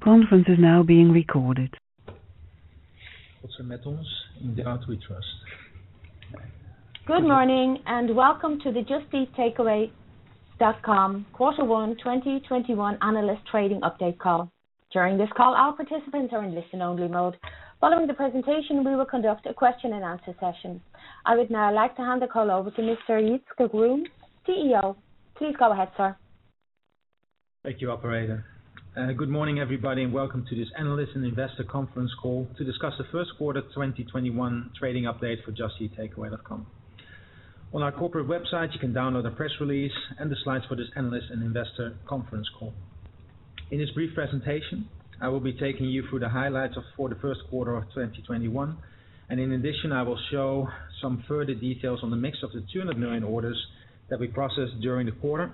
Good morning, welcome to the Just Eat Takeaway.com Q1 2021 analyst trading update call. During this call, all participants are in listen-only mode. Following the presentation, we will conduct a question-and-answer session. I would now like to hand the call over to Mr. Jitse Groen, CEO. Please go ahead, sir. Thank you, operator. Good morning, everybody, and welcome to this analyst and investor conference call to discuss the first quarter of 2021 trading update for Just Eat Takeaway.com. On our corporate website, you can download the press release and the slides for this analyst and investor conference call. In this brief presentation, I will be taking you through the highlights for the first quarter of 2021. In addition, I will show some further details on the mix of the 200 million orders that we processed during the quarter,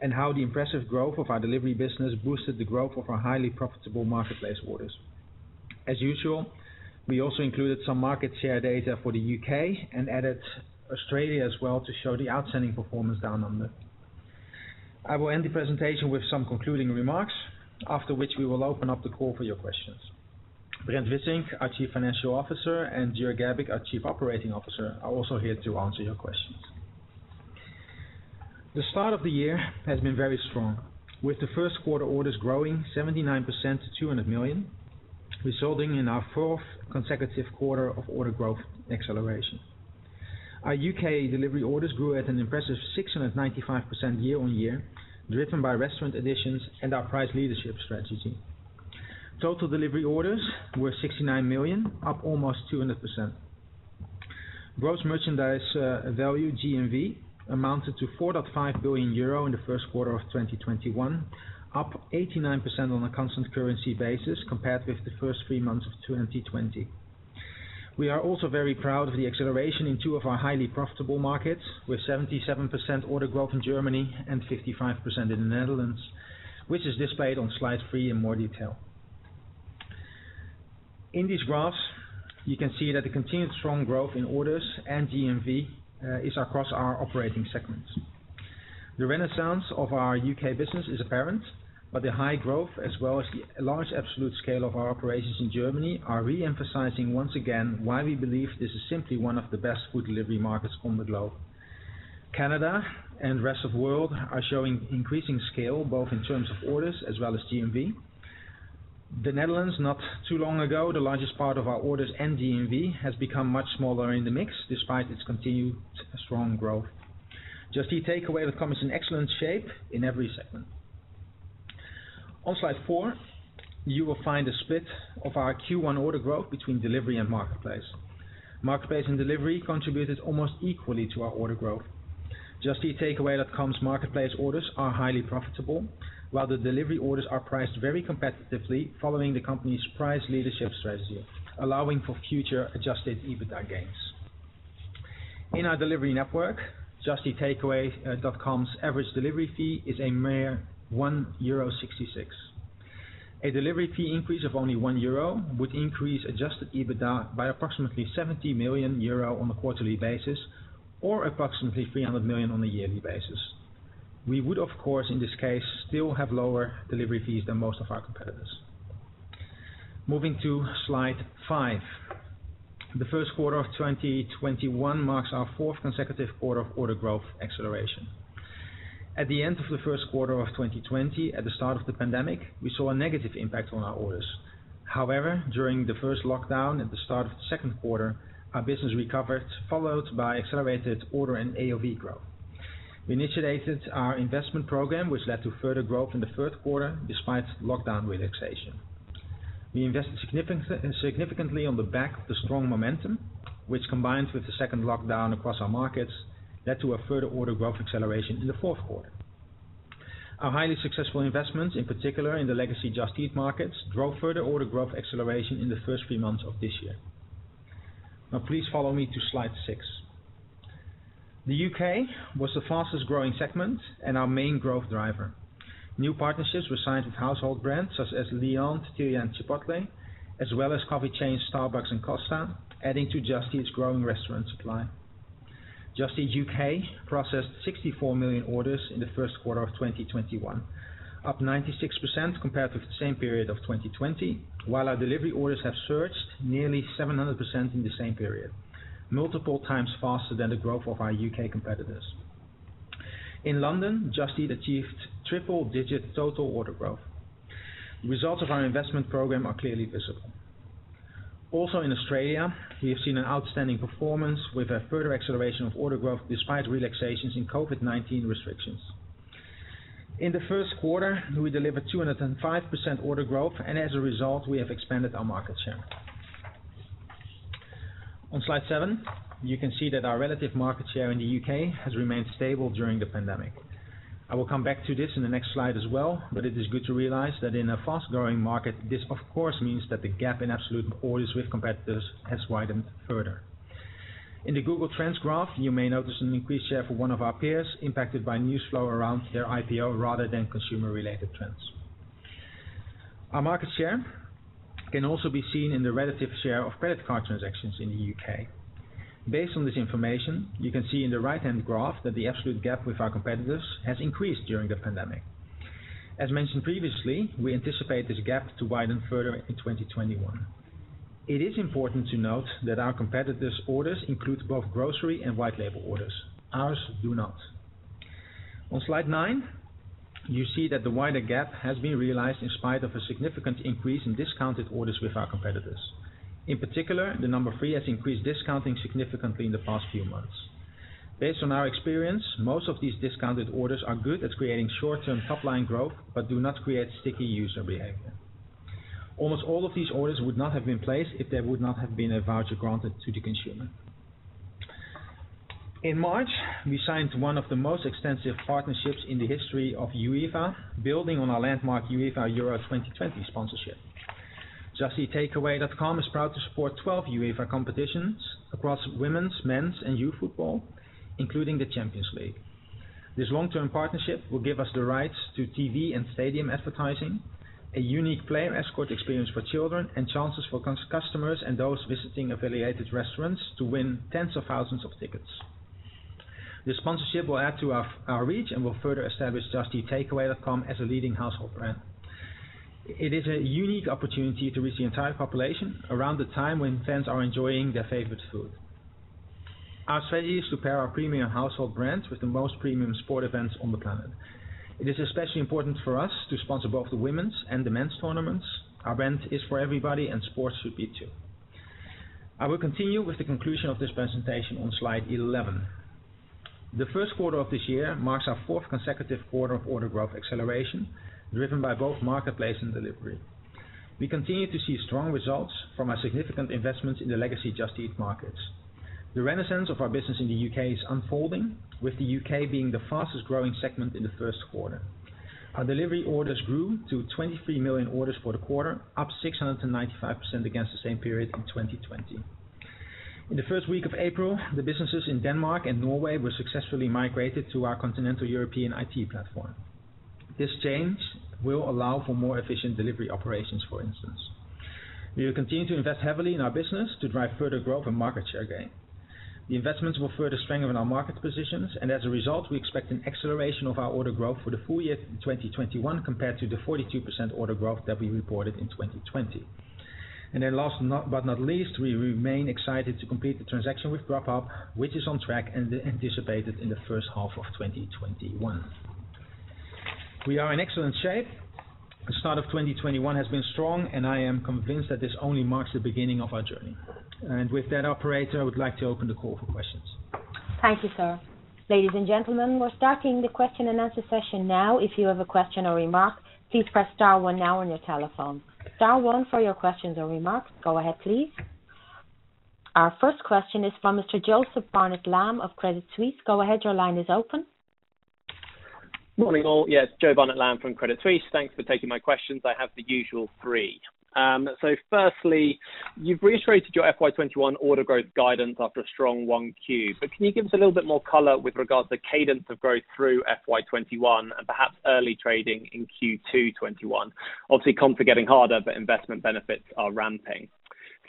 and how the impressive growth of our delivery business boosted the growth of our highly profitable marketplace orders. As usual, we also included some market share data for the U.K. and added Australia as well to show the outstanding performance down under. I will end the presentation with some concluding remarks, after which we will open up the call for your questions. Brent Wissink, our Chief Financial Officer, and Jörg Gerbig, our Chief Operating Officer, are also here to answer your questions. The start of the year has been very strong, with the first quarter orders growing 79% to 200 million, resulting in our fourth consecutive quarter of order growth acceleration. Our U.K. delivery orders grew at an impressive 695% year-on-year, driven by restaurant additions and our price leadership strategy. Total delivery orders were 69 million, up almost 200%. Gross merchandise value, GMV, amounted to 4.5 billion euro in the first quarter of 2021, up 89% on a constant currency basis compared with the first three months of 2020. We are also very proud of the acceleration in two of our highly profitable markets, with 77% order growth in Germany and 55% in the Netherlands, which is displayed on slide three in more detail. In these graphs, you can see that the continued strong growth in orders and GMV is across our operating segments. The renaissance of our U.K. business is apparent, but the high growth as well as the large absolute scale of our operations in Germany are re-emphasizing once again why we believe this is simply one of the best food delivery markets on the globe. Canada and the rest of the world are showing increasing scale, both in terms of orders as well as GMV. The Netherlands, not too long ago, the largest part of our orders and GMV, has become much smaller in the mix despite its continued strong growth. Just Eat Takeaway.com is in excellent shape in every segment. On slide four, you will find a split of our Q1 order growth between delivery and marketplace. Marketplace and delivery contributed almost equally to our order growth. Just Eat Takeaway.com's marketplace orders are highly profitable, while the delivery orders are priced very competitively following the company's price leadership strategy, allowing for future Adjusted EBITDA gains. In our delivery network, Just Eat Takeaway.com's average delivery fee is a mere 1.66 euro. A delivery fee increase of only 1 euro would increase Adjusted EBITDA by approximately 70 million euro on a quarterly basis or approximately 300 million on a yearly basis. We would, of course, in this case, still have lower delivery fees than most of our competitors. Moving to slide five. The first quarter of 2021 marks our fourth consecutive quarter of order growth acceleration. At the end of the first quarter of 2020, at the start of the pandemic, we saw a negative impact on our orders. During the first lockdown at the start of the second quarter, our business recovered, followed by accelerated order and AOV growth. We initiated our investment program, which led to further growth in the third quarter despite lockdown relaxation. We invested significantly on the back of the strong momentum, which, combined with the second lockdown across our markets, led to a further order growth acceleration in the fourth quarter. Our highly successful investments, in particular in the legacy Just Eat markets, drove further order growth acceleration in the first three months of this year. Please follow me to slide six. The U.K. was the fastest-growing segment and our main growth driver. New partnerships were signed with household brands such as Leon, Tortilla, and Chipotle, as well as coffee chains Starbucks and Costa, adding to Just Eat's growing restaurant supply. Just Eat U.K. processed 64 million orders in the first quarter of 2021, up 96% compared with the same period of 2020, while our delivery orders have surged nearly 700% in the same period, multiple times faster than the growth of our U.K. competitors. In London, Just Eat achieved triple-digit total order growth. The results of our investment program are clearly visible. Also in Australia, we have seen an outstanding performance with a further acceleration of order growth despite relaxations in COVID-19 restrictions. In the first quarter, we delivered 205% order growth, and as a result, we have expanded our market share. On slide seven, you can see that our relative market share in the U.K. has remained stable during the pandemic. I will come back to this in the next slide as well, but it is good to realize that in a fast-growing market, this, of course, means that the gap in absolute orders with competitors has widened further. In the Google Trends graph, you may notice an increased share for one of our peers impacted by news flow around their IPO rather than consumer-related trends. Our market share can also be seen in the relative share of credit card transactions in the U.K. Based on this information, you can see in the right-hand graph that the absolute gap with our competitors has increased during the pandemic. As mentioned previously, we anticipate this gap to widen further in 2021. It is important to note that our competitors' orders include both grocery and white-label orders. Ours do not. On slide nine, you see that the wider gap has been realized in spite of a significant increase in discounted orders with our competitors. In particular, the number three has increased discounting significantly in the past few months. Based on our experience, most of these discounted orders are good at creating short-term top-line growth, but do not create sticky user behavior. Almost all of these orders would not have been placed if there would not have been a voucher granted to the consumer. In March, we signed one of the most extensive partnerships in the history of UEFA, building on our landmark UEFA EURO 2020 sponsorship. Just Eat Takeaway.com is proud to support 12 UEFA competitions across women's, men's, and youth football, including the Champions League. This long-term partnership will give us the rights to TV and stadium advertising, a unique player escort experience for children, and chances for customers and those visiting affiliated restaurants to win tens of thousands of tickets. This sponsorship will add to our reach and will further establish Just Eat Takeaway.com as a leading household brand. It is a unique opportunity to reach the entire population around the time when fans are enjoying their favorite food. Our strategy is to pair our premium household brands with the most premium sports events on the planet. It is especially important for us to sponsor both the women's and the men's tournaments. Our brand is for everybody, and sports should be, too. I will continue with the conclusion of this presentation on slide 11. The first quarter of this year marks our fourth consecutive quarter of order growth acceleration, driven by both marketplace and delivery. We continue to see strong results from our significant investments in the legacy Just Eat markets. The renaissance of our business in the U.K. is unfolding, with the U.K. being the fastest-growing segment in the first quarter. Our delivery orders grew to 23 million orders for the quarter, up 695% against the same period in 2020. In the first week of April, the businesses in Denmark and Norway were successfully migrated to our continental European IT platform. This change will allow for more efficient delivery operations, for instance. We will continue to invest heavily in our business to drive further growth and market share gain. The investments will further strengthen our market positions, and as a result, we expect an acceleration of our order growth for the full year in 2021 compared to the 42% order growth that we reported in 2020. Then last but not least, we remain excited to complete the transaction with Dropoff, which is on track and anticipated in the first half of 2021. We are in excellent shape. The start of 2021 has been strong, and I am convinced that this only marks the beginning of our journey. With that, operator, I would like to open the call for questions. Thank you, sir. Ladies and gentlemen, we're starting the question-and-answer session now. If you have a question or remark, please press star one now on your telephone. Star one for your questions or remarks. Go ahead, please. Our first question is from Mr. Joseph Barnet-Lamb of Credit Suisse. Go ahead, your line is open. Morning, all. Yes, Joe Barnet-Lamb from Credit Suisse. Thanks for taking my questions. I have the usual three. Firstly, you've reiterated your FY 2021 order growth guidance after a strong 1Q. Can you give us a little bit more color with regards to cadence of growth through FY 2021 and perhaps early trading in Q2 2021? Obviously, comp are getting harder, but investment benefits are ramping.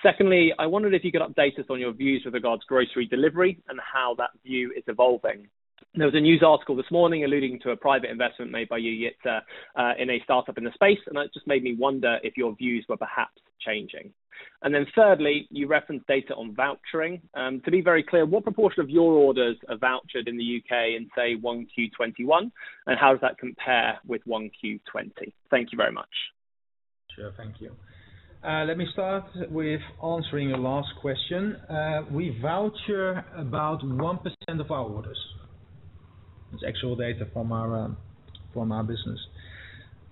Secondly, I wondered if you could update us on your views with regards grocery delivery and how that view is evolving. There was a news article this morning alluding to a private investment made by you, Jitse, in a startup in the space, and that just made me wonder if your views were perhaps changing. Thirdly, you referenced data on vouchering. To be very clear, what proportion of your orders are vouchered in the U.K. in, say, 1Q 2021, and how does that compare with 1Q 2020? Thank you very much. Sure. Thank you. Let me start with answering your last question. We voucher about 1% of our orders. It's actual data from our business.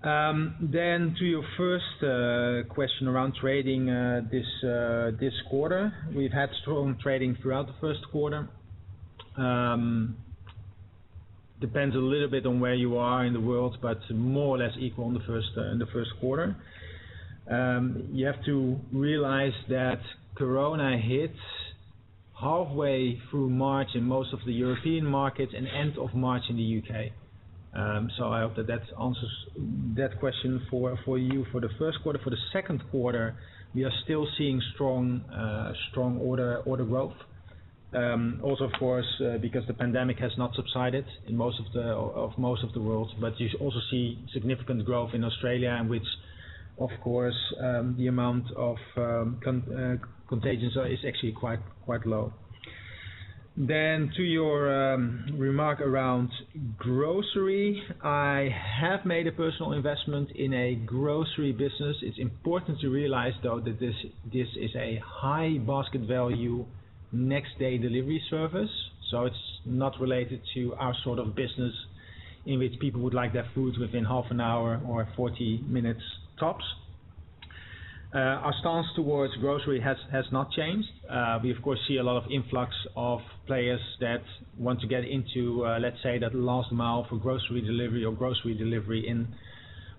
To your first question around trading this quarter. We've had strong trading throughout the first quarter. Depends a little bit on where you are in the world, but more or less equal in the first quarter. You have to realize that Corona hit halfway through March in most of the European markets and end of March in the U.K. I hope that answers that question for you for the first quarter. For the second quarter, we are still seeing strong order growth. Of course, because the pandemic has not subsided in most of the world, but you also see significant growth in Australia, in which, of course, the amount of contagion is actually quite low. To your remark around grocery, I have made a personal investment in a grocery business. It's important to realize, though, that this is a high basket value next day delivery service, so it's not related to our sort of business in which people would like their food within half an hour or 40 minutes tops. Our stance towards grocery has not changed. We of course, see a lot of influx of players that want to get into, let's say, that last mile for grocery delivery or grocery delivery in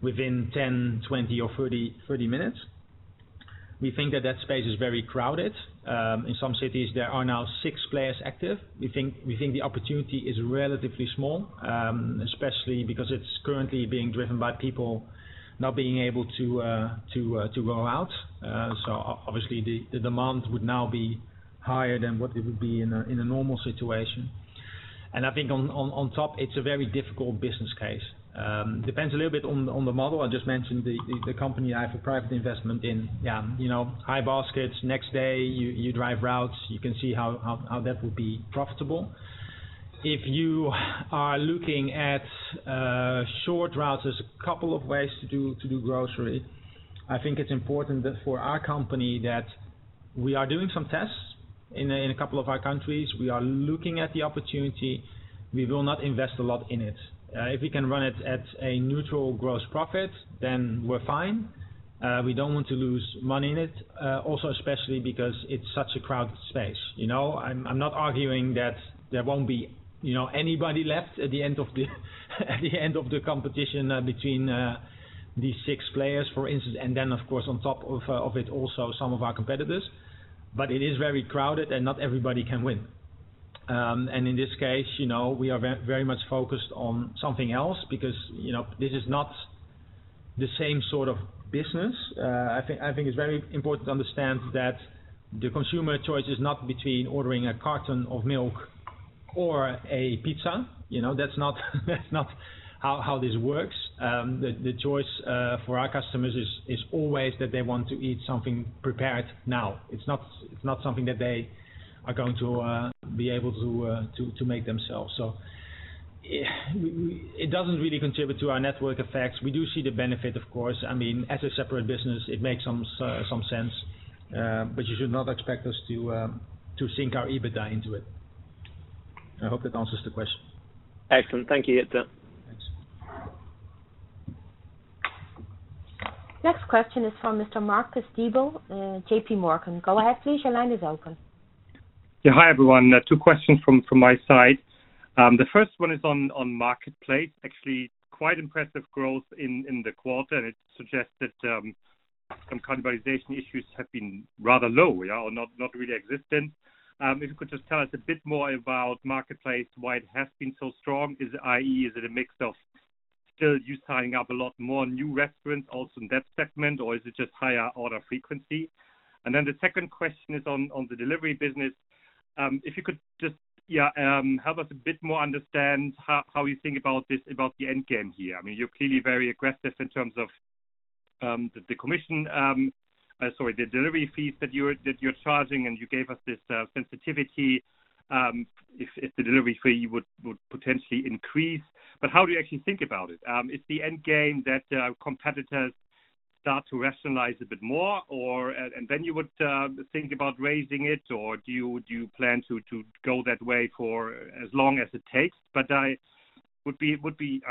within 10, 20 or 30 minutes. We think that that space is very crowded. In some cities, there are now six players active. We think the opportunity is relatively small, especially because it's currently being driven by people not being able to go out. Obviously, the demand would now be higher than what it would be in a normal situation. I think on top, it's a very difficult business case. Depends a little bit on the model. I just mentioned the company I have a private investment in. High baskets, next day, you drive routes. You can see how that would be profitable. If you are looking at short routes, there's a couple of ways to do grocery. I think it's important that for our company that we are doing some tests in a couple of our countries. We are looking at the opportunity. We will not invest a lot in it. If we can run it at a neutral gross profit, then we're fine. We don't want to lose money in it. Also, especially because it's such a crowded space. I'm not arguing that there won't be anybody left at the end of the competition between these six players, for instance, and then of course, on top of it, also some of our competitors, but it is very crowded and not everybody can win. In this case, we are very much focused on something else because this is not the same sort of business. I think it's very important to understand that the consumer choice is not between ordering a carton of milk or a pizza. That's not how this works. The choice for our customers is always that they want to eat something prepared now. It's not something that they are going to be able to make themselves. It doesn't really contribute to our network effects. We do see the benefit, of course. As a separate business, it makes some sense, but you should not expect us to sink our EBITDA into it. I hope that answers the question. Excellent. Thank you, Jitse. Thanks. Next question is from Mr. Marcus Diebel, J.P. Morgan. Go ahead, please. Your line is open. Yeah. Hi, everyone. Two questions from my side. The first one is on the marketplace. Actually, quite impressive growth in the quarter, and it suggests that some cannibalization issues have been rather low, or do not really existent. If you could just tell us a bit more about the marketplace, why it has been so strong. Is it a mix of still you signing up a lot more new restaurants also in that segment, or is it just higher order frequency? The second question is on the delivery business. If you could just help us a bit more understand how you think about the endgame here. You're clearly very aggressive in terms of the commission, sorry, the delivery fees that you're charging, and you gave us this sensitivity if the delivery fee would potentially increase. How do you actually think about it? Is the endgame that competitors start to rationalize a bit more, and then you would think about raising it, or do you plan to go that way for as long as it takes? I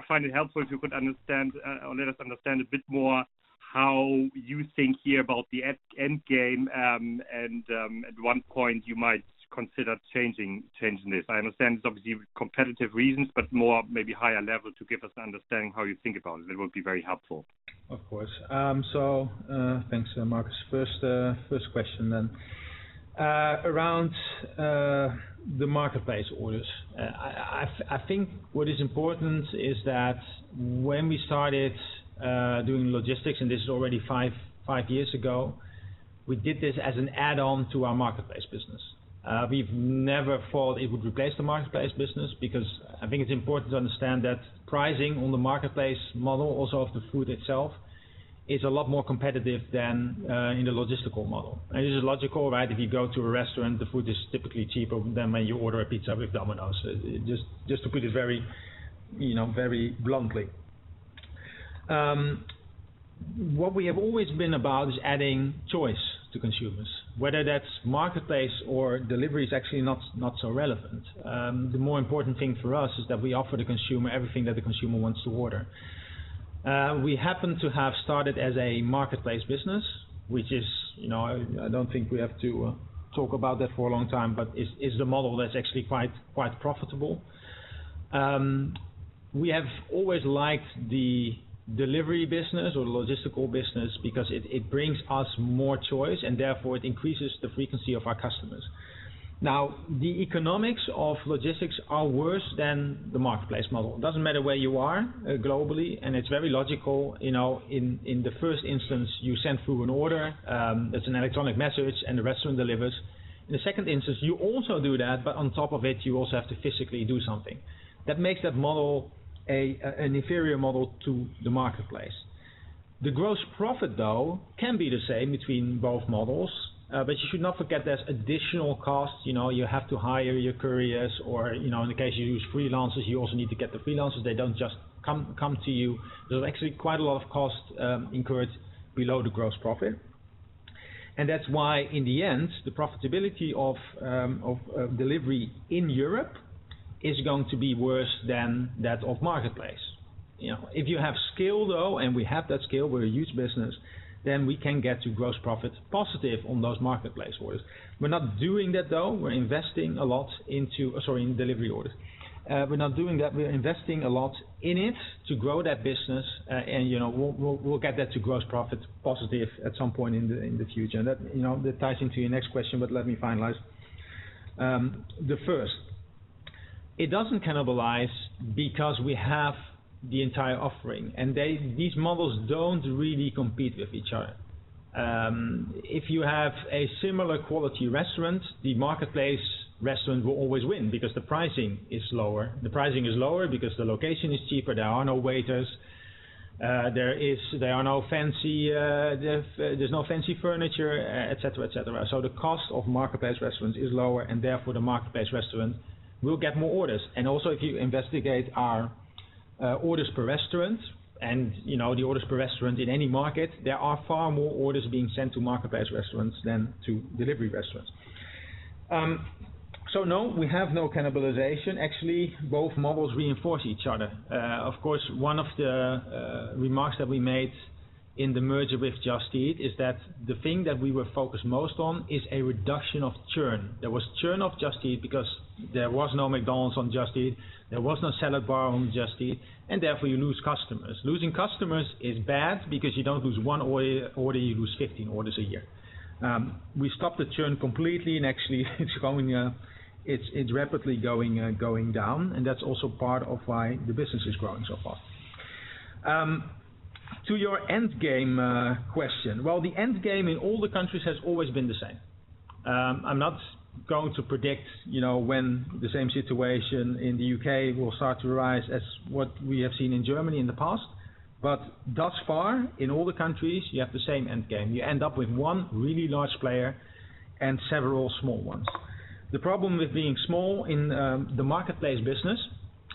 find it helpful if you could let us understand a bit more how you think here about the endgame, and at one point, you might consider changing this. I understand it's obviously competitive reasons, but maybe a higher level to give us an understanding of how you think about it. It would be very helpful. Of course. Thanks, Marcus. First question. Around the marketplace orders, I think what is important is that when we started doing logistics, which was already five years ago, we did this as an add-on to our marketplace business. We've never thought it would replace the marketplace business because I think it's important to understand that pricing on the marketplace model, also of the food itself, is a lot more competitive than in the logistical model. This is logical, right? If you go to a restaurant, the food is typically cheaper than when you order a pizza from Domino's, just to put it very bluntly. What we have always been about is adding choice to consumers. Whether that's marketplace or delivery is actually not so relevant. The more important thing for us is that we offer the consumer everything that the consumer wants to order. We happen to have started as a marketplace business, which is, I don't think we have to talk about that for a long time, but it's the model that's actually quite profitable. We have always liked the delivery business or logistical business because it brings us more choice, and therefore it increases the frequency of our customers. Now, the economics of logistics are worse than the marketplace model. It doesn't matter where you are globally, and it's very logical. In the first instance, you send through an order, it's an electronic message, and the restaurant delivers. In the second instance, you also do that, but on top of it, you also have to physically do something. That makes that model an inferior model to the marketplace. The gross profit, though, can be the same between both models, but you should not forget there's additional costs. You have to hire your couriers, or in the case you use freelancers, you also need to get the freelancers. They don't just come to you. There's actually quite a lot of costs incurred below the gross profit, and that's why, in the end, the profitability of delivery in Europe is going to be worse than that of marketplace. If you have scale, though, and we have that scale, we're a huge business, then we can get to gross profit positive on those marketplace orders. We're not doing that, though. We're investing a lot in delivery orders. We're now doing that. We're investing a lot in it to grow that business, and we'll get that to gross profit positive at some point in the future. That ties into your next question, but let me finalize the first. It doesn't cannibalize because we have the entire offering, and these models don't really compete with each other. If you have a similar quality restaurant, the marketplace restaurant will always win because the pricing is lower. The pricing is lower because the location is cheaper. There are no waiters. There's no fancy furniture, et cetera. The cost of marketplace restaurants is lower, and therefore the marketplace restaurant will get more orders. Also, if you investigate our orders per restaurant, and the orders per restaurant in any market, there are far more orders being sent to marketplace restaurants than to delivery restaurants. No, we have no cannibalization. Actually, both models reinforce each other. Of course, one of the remarks that we made in the merger with Just Eat is that the thing that we were focused most on is a reduction of churn. There was a churn at Just Eat because there was no McDonald's on Just Eat. There was no salad bar on Just Eat, you lose customers. Losing customers is bad because you don't lose one order; you lose 15 orders a year. Actually, it's rapidly going down. That's also part of why the business is growing so fast. To your endgame question, well, the endgame in all the countries has always been the same. I'm not going to predict when the same situation in the U.K. will start to rise, as what we have seen in Germany in the past. Thus far, in all the countries, you have the same endgame. You end up with one really large player and several small ones. The problem with being small in the marketplace business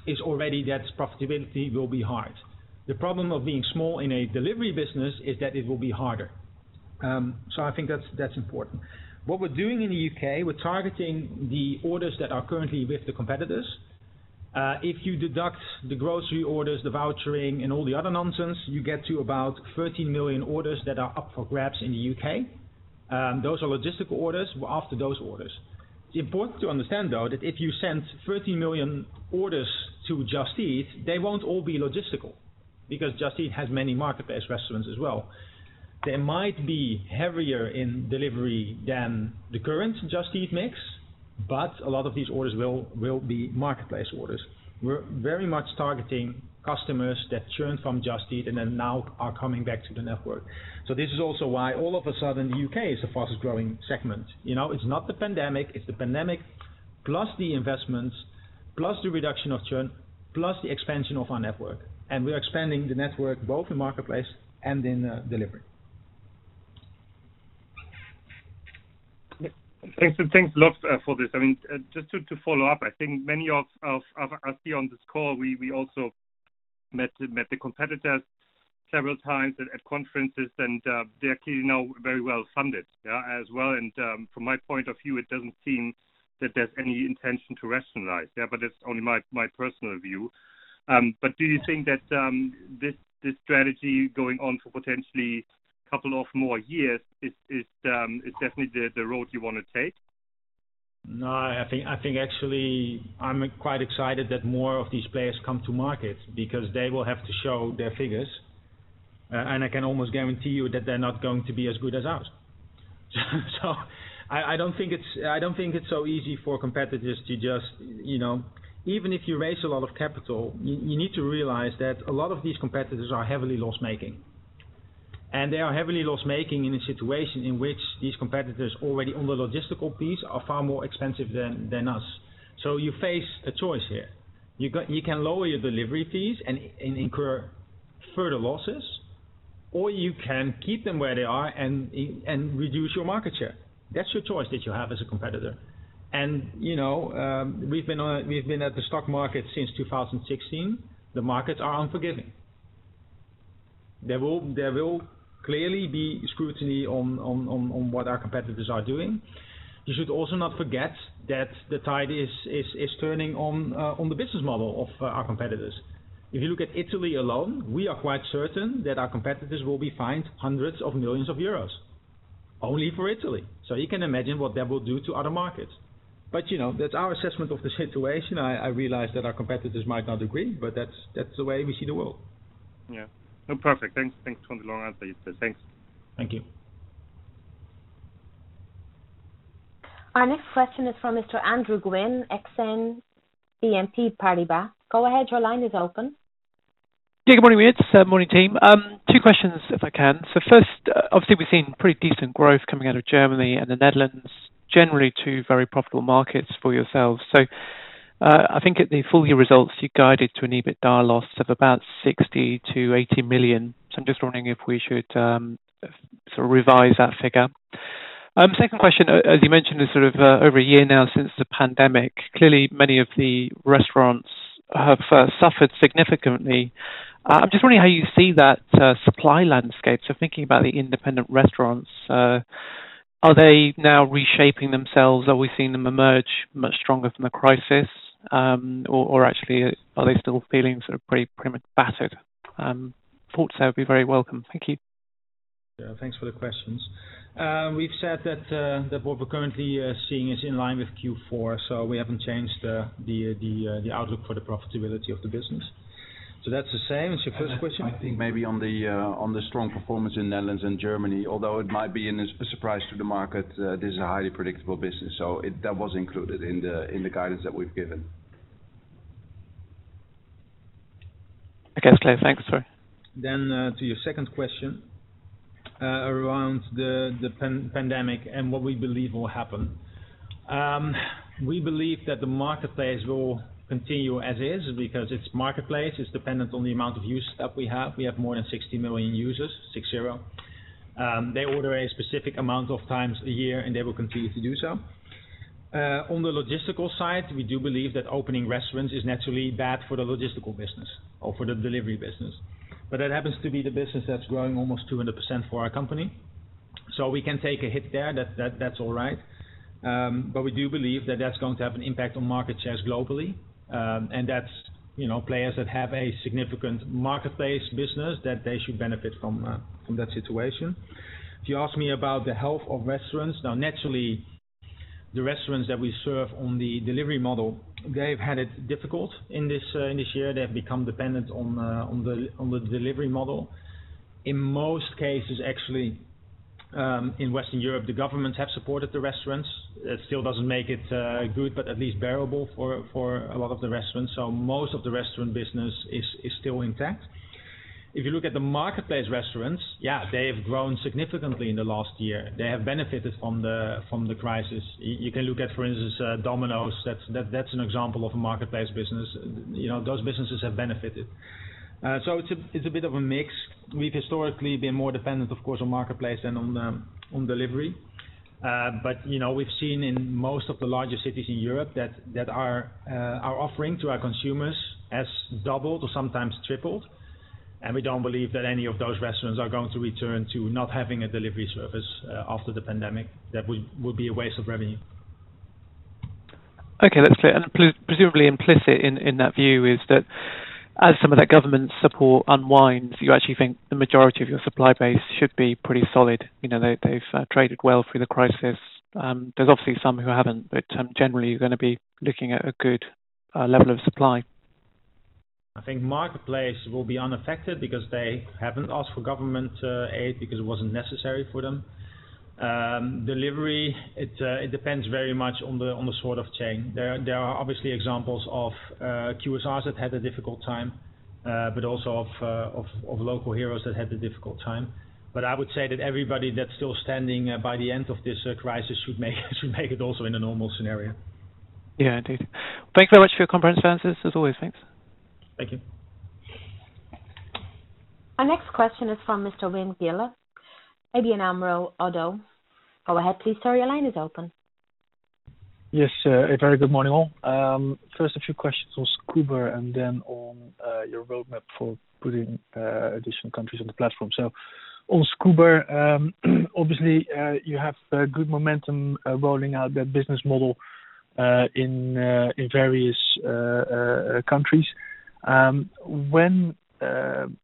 is that profitability will be hard. The problem of being small in a delivery business is that it will be harder. I think that's important. What we're doing in the U.K., we're targeting the orders that are currently with the competitors. If you deduct the grocery orders, the vouchering, and all the other nonsense, you get to about 13 million orders that are up for grabs in the U.K. Those are logistical orders. We're after those orders. It's important to understand, though, that if you send 13 million orders to Just Eat, they won't all be logistical, because Just Eat has many marketplace restaurants as well. They might be heavier in delivery than the current Just Eat mix, but a lot of these orders will be marketplace orders. We're very much targeting customers who churned from Just Eat and are now are coming back to the network. This is also why all of a sudden, the U.K. is the fastest-growing segment. It's not the pandemic, it's the pandemic plus the investments, plus the reduction of churn, plus the expansion of our network. We are expanding the network both in the marketplace and in delivery. Thanks a lot for this. Just to follow up, I think many of us here on this call, we also met the competitors several times at conferences, and they are clearly now very well funded as well. From my point of view, it doesn't seem that there's any intention to rationalize. That's only my personal view. Do you think that this strategy going on for potentially couple of more years is definitely the road you want to take? No, I think actually, I'm quite excited that more of these players come to market because they will have to show their figures, and I can almost guarantee you that they're not going to be as good as ours. I don't think it's so easy for competitors even if you raise a lot of capital, you need to realize that a lot of these competitors are heavily loss-making. They are heavily loss-making in a situation in which these competitors already on the logistical piece are far more expensive than us. You face a choice here. You can lower your delivery fees and incur further losses, or you can keep them where they are and reduce your market share. That's your choice that you have as a competitor. We've been at the stock market since 2016. The markets are unforgiving. There will clearly be scrutiny on what our competitors are doing. You should also not forget that the tide is turning on the business model of our competitors. If you look at Italy alone, we are quite certain that our competitors will be fined hundreds of millions of euros only for Italy. You can imagine what that will do to other markets. That's our assessment of the situation. I realize that our competitors might not agree, but that's the way we see the world. Yeah. No, perfect. Thanks for the long answer. Thanks. Thank you. Our next question is from Mr. Andrew Gwynn, Exane BNP Paribas. Go ahead, your line is open. Good morning, Jitse. Morning, team. Two questions, if I can. First, obviously, we've seen pretty decent growth coming out of Germany and the Netherlands, generally two very profitable markets for yourselves. I think that at the full year results, you guided to an EBITDA loss of about 60 million-80 million. I'm just wondering if we should sort of revise that figure. The second question, as you mentioned, is sort of over a year now since the pandemic. Clearly, many of the restaurants have suffered significantly. I'm just wondering how you see that supply landscape. Thinking about the independent restaurants, are they now reshaping themselves? Are we seeing them emerge much stronger from the crisis? Actually, are they still feeling sort of pretty battered? Thoughts there would be very welcome. Thank you. Thanks for the questions. We've said that what we're currently seeing is in line with Q4. We haven't changed the outlook for the profitability of the business. That's the same as your first question. On the strong performance in the Netherlands and Germany, although it might be a surprise to the market, this is a highly predictable business that was included in the guidance that we've given. Okay, clear. Thanks. Sorry. To your second question, around the pandemic and what we believe will happen. We believe that the marketplace will continue as is because it's marketplace, it's dependent on the amount of use that we have. We have more than 60 million users, six, zero. They order a specific amount of times a year, and they will continue to do so. On the logistical side, we do believe that opening restaurants is naturally bad for the logistical business or for the delivery business. That happens to be the business that's growing almost 200% for our company. We can take a hit there. That's all right. We do believe that that's going to have an impact on market shares globally. That's players that have a significant marketplace business that they should benefit from that situation. If you ask me about the health of restaurants, now, naturally, the restaurants that we serve on the delivery model, they've had it difficult in this year. They've become dependent on the delivery model. In most cases, actually, in Western Europe, the governments have supported the restaurants. It still doesn't make it good, but at least bearable for a lot of the restaurants. Most of the restaurant business is still intact. If you look at the marketplace restaurants, yeah, they've grown significantly in the last year. They have benefited from the crisis. You can look at, for instance, Domino's. That's an example of a marketplace business. Those businesses have benefited. It's a bit of a mix. We've historically been more dependent, of course, on marketplace than on delivery. We've seen in most of the larger cities in Europe that our offering to our consumers has doubled or sometimes tripled, and we don't believe that any of those restaurants are going to return to not having a delivery service after the pandemic. That will be a waste of revenue. Okay. That's clear. Presumably implicit in that view is that as some of that government support unwinds, you actually think the majority of your supply base should be pretty solid. They've traded well through the crisis. There's obviously some who haven't, but generally, you're going to be looking at a good level of supply. I think marketplace will be unaffected because they haven't asked for government aid because it wasn't necessary for them. Delivery, it depends very much on the sort of chain. There are obviously examples of QSRs that had a difficult time, but also of Local Heroes that had a difficult time. I would say that everybody that's still standing by the end of this crisis should make it also in a normal scenario. Yeah, indeed. Thank you very much for your comprehensive answers as always. Thanks. Thank you. Our next question is from Mr. Wim Gille, ABN AMRO-ODDO. Go ahead, please, sir. Your line is open. Yes. A very good morning, all. First, a few questions on Scoober and then on your roadmap for putting additional countries on the platform. On Scoober, obviously, you have good momentum rolling out that business model in various countries. When,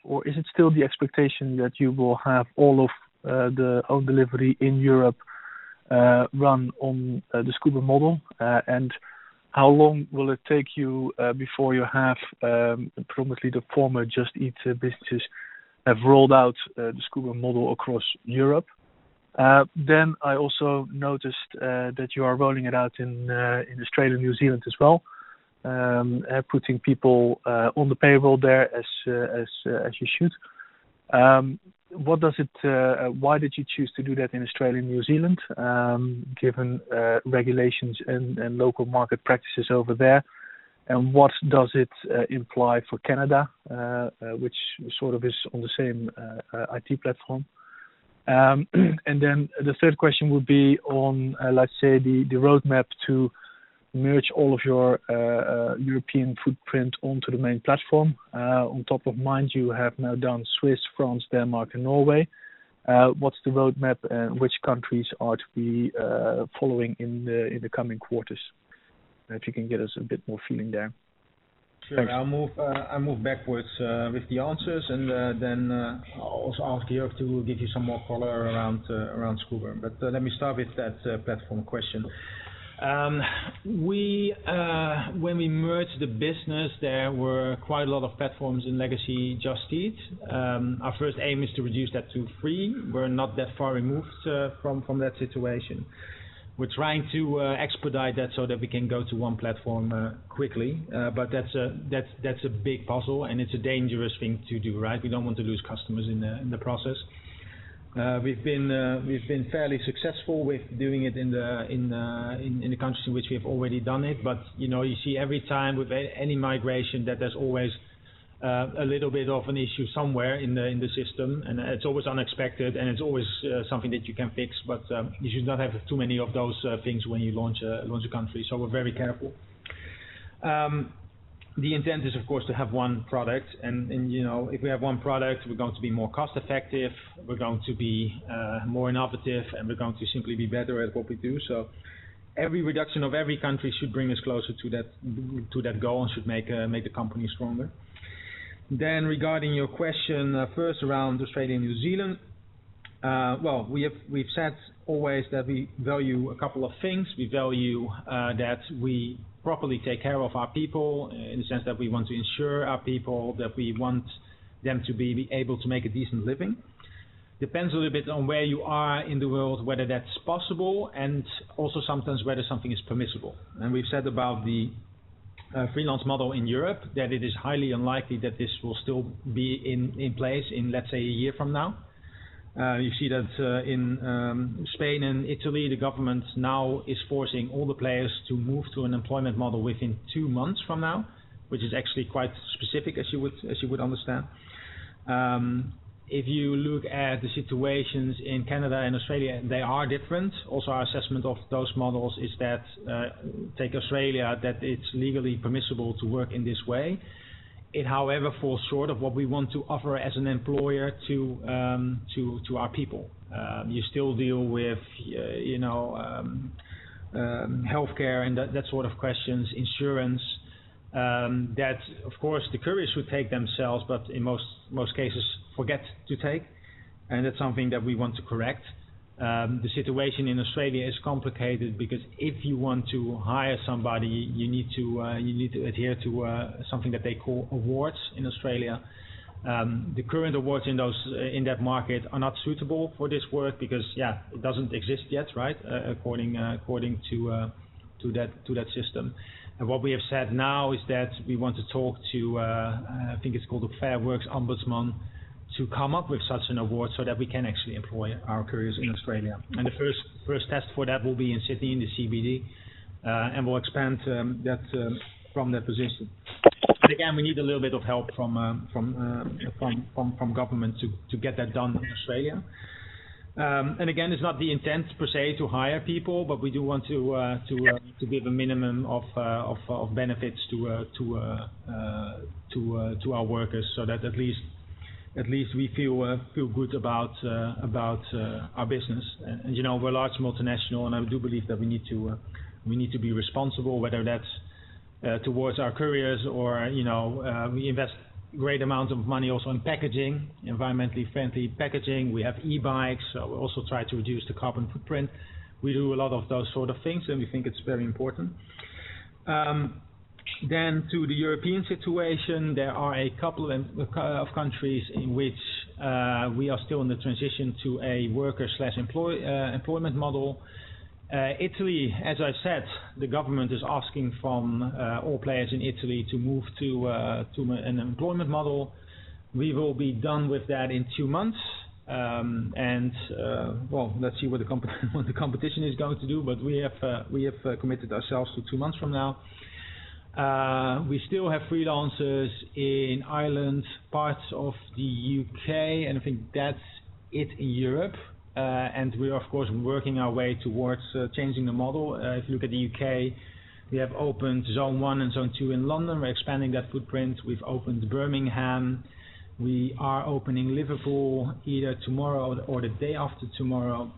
or is it still the expectation that you will have all of the home delivery in Europe run on the Scoober model? How long will it take you before you have predominantly the former Just Eat businesses have rolled out the Scoober model across Europe? I also noticed that you are rolling it out in Australia and New Zealand as well, putting people on the payroll there as you should. Why did you choose to do that in Australia and New Zealand, given regulations and local market practices over there? What does it imply for Canada, which sort of is on the same IT platform? The third question would be on, let's say the roadmap to merge all of your European footprint onto the main platform. On top of mind, you have now done Switzerland, France, Denmark and Norway. What's the roadmap? Which countries are to be following in the coming quarters? If you can get us a bit more feeling there. Thanks. Sure. I'll move backwards with the answers, then I'll also ask Jörg to give you some more color around Scoober. Let me start with that platform question. When we merged the business, there were quite a lot of platforms in legacy Just Eat. Our first aim is to reduce that to three. We're not that far removed from that situation. We're trying to expedite that so that we can go to one platform quickly. That's a big puzzle and it's a dangerous thing to do, right? We don't want to lose customers in the process. We've been fairly successful with doing it in the countries in which we have already done it. You see every time with any migration that there's always a little bit of an issue somewhere in the system, and it's always unexpected, and it's always something that you can fix. You should not have too many of those things when you launch a country, so we're very careful. The intent is, of course, to have one product, and if we have one product, we're going to be more cost-effective, we're going to be more innovative, and we're going to simply be better at what we do. Every reduction of every country should bring us closer to that goal and should make the company stronger. Regarding your question first around Australia and New Zealand, well, we've said always that we value a couple of things. We value that we properly take care of our people in the sense that we want to ensure our people that we want them to be able to make a decent living. Depends a little bit on where you are in the world, whether that's possible, and also sometimes whether something is permissible. We've said about the freelance model in Europe that it is highly unlikely that this will still be in place in, let's say, a year from now. You see that in Spain and Italy, the government now is forcing all the players to move to an employment model within two months from now, which is actually quite specific, as you would understand. If you look at the situations in Canada and Australia, they are different. Also, our assessment of those models is that, take Australia, that it's legally permissible to work in this way. It, however, falls short of what we want to offer as an employer to our people. You still deal with healthcare and that sort of questions, insurance, that, of course, the couriers would take themselves, but in most cases forget to take, and that's something that we want to correct. The situation in Australia is complicated because if you want to hire somebody, you need to adhere to something that they call awards in Australia. The current awards in that market are not suitable for this work because, yeah, it doesn't exist yet, according to that system. What we have said now is that we want to talk to, I think it's called the Fair Work Ombudsman, to come up with such an award so that we can actually employ our couriers in Australia. The first test for that will be in Sydney, in the CBD, and we'll expand that from that position. Again, we need a little bit of help from government to get that done in Australia. Again, it's not the intent per se to hire people, but we do want to give a minimum of benefits to our workers so that at least we feel good about our business. We're a large multinational, and I do believe that we need to be responsible, whether that's towards our couriers or we invest great amounts of money also in packaging, environmentally friendly packaging. We have e-bikes, we also try to reduce the carbon footprint. We do a lot of those sort of things, we think it's very important. To the European situation, there are a couple of countries in which we are still in the transition to a worker/employment model. Italy, as I've said, the government is asking from all players in Italy to move to an employment model. We will be done with that in two months. Well, let's see what the competition is going to do, but we have committed ourselves to two months from now. We still have freelancers in Ireland, parts of the U.K., and I think that's it in Europe. We are, of course, working our way towards changing the model. If you look at the U.K., we have opened Zone 1 and Zone 2 in London. We're expanding that footprint. We've opened Birmingham. We are opening Liverpool either tomorrow or the day after tomorrow,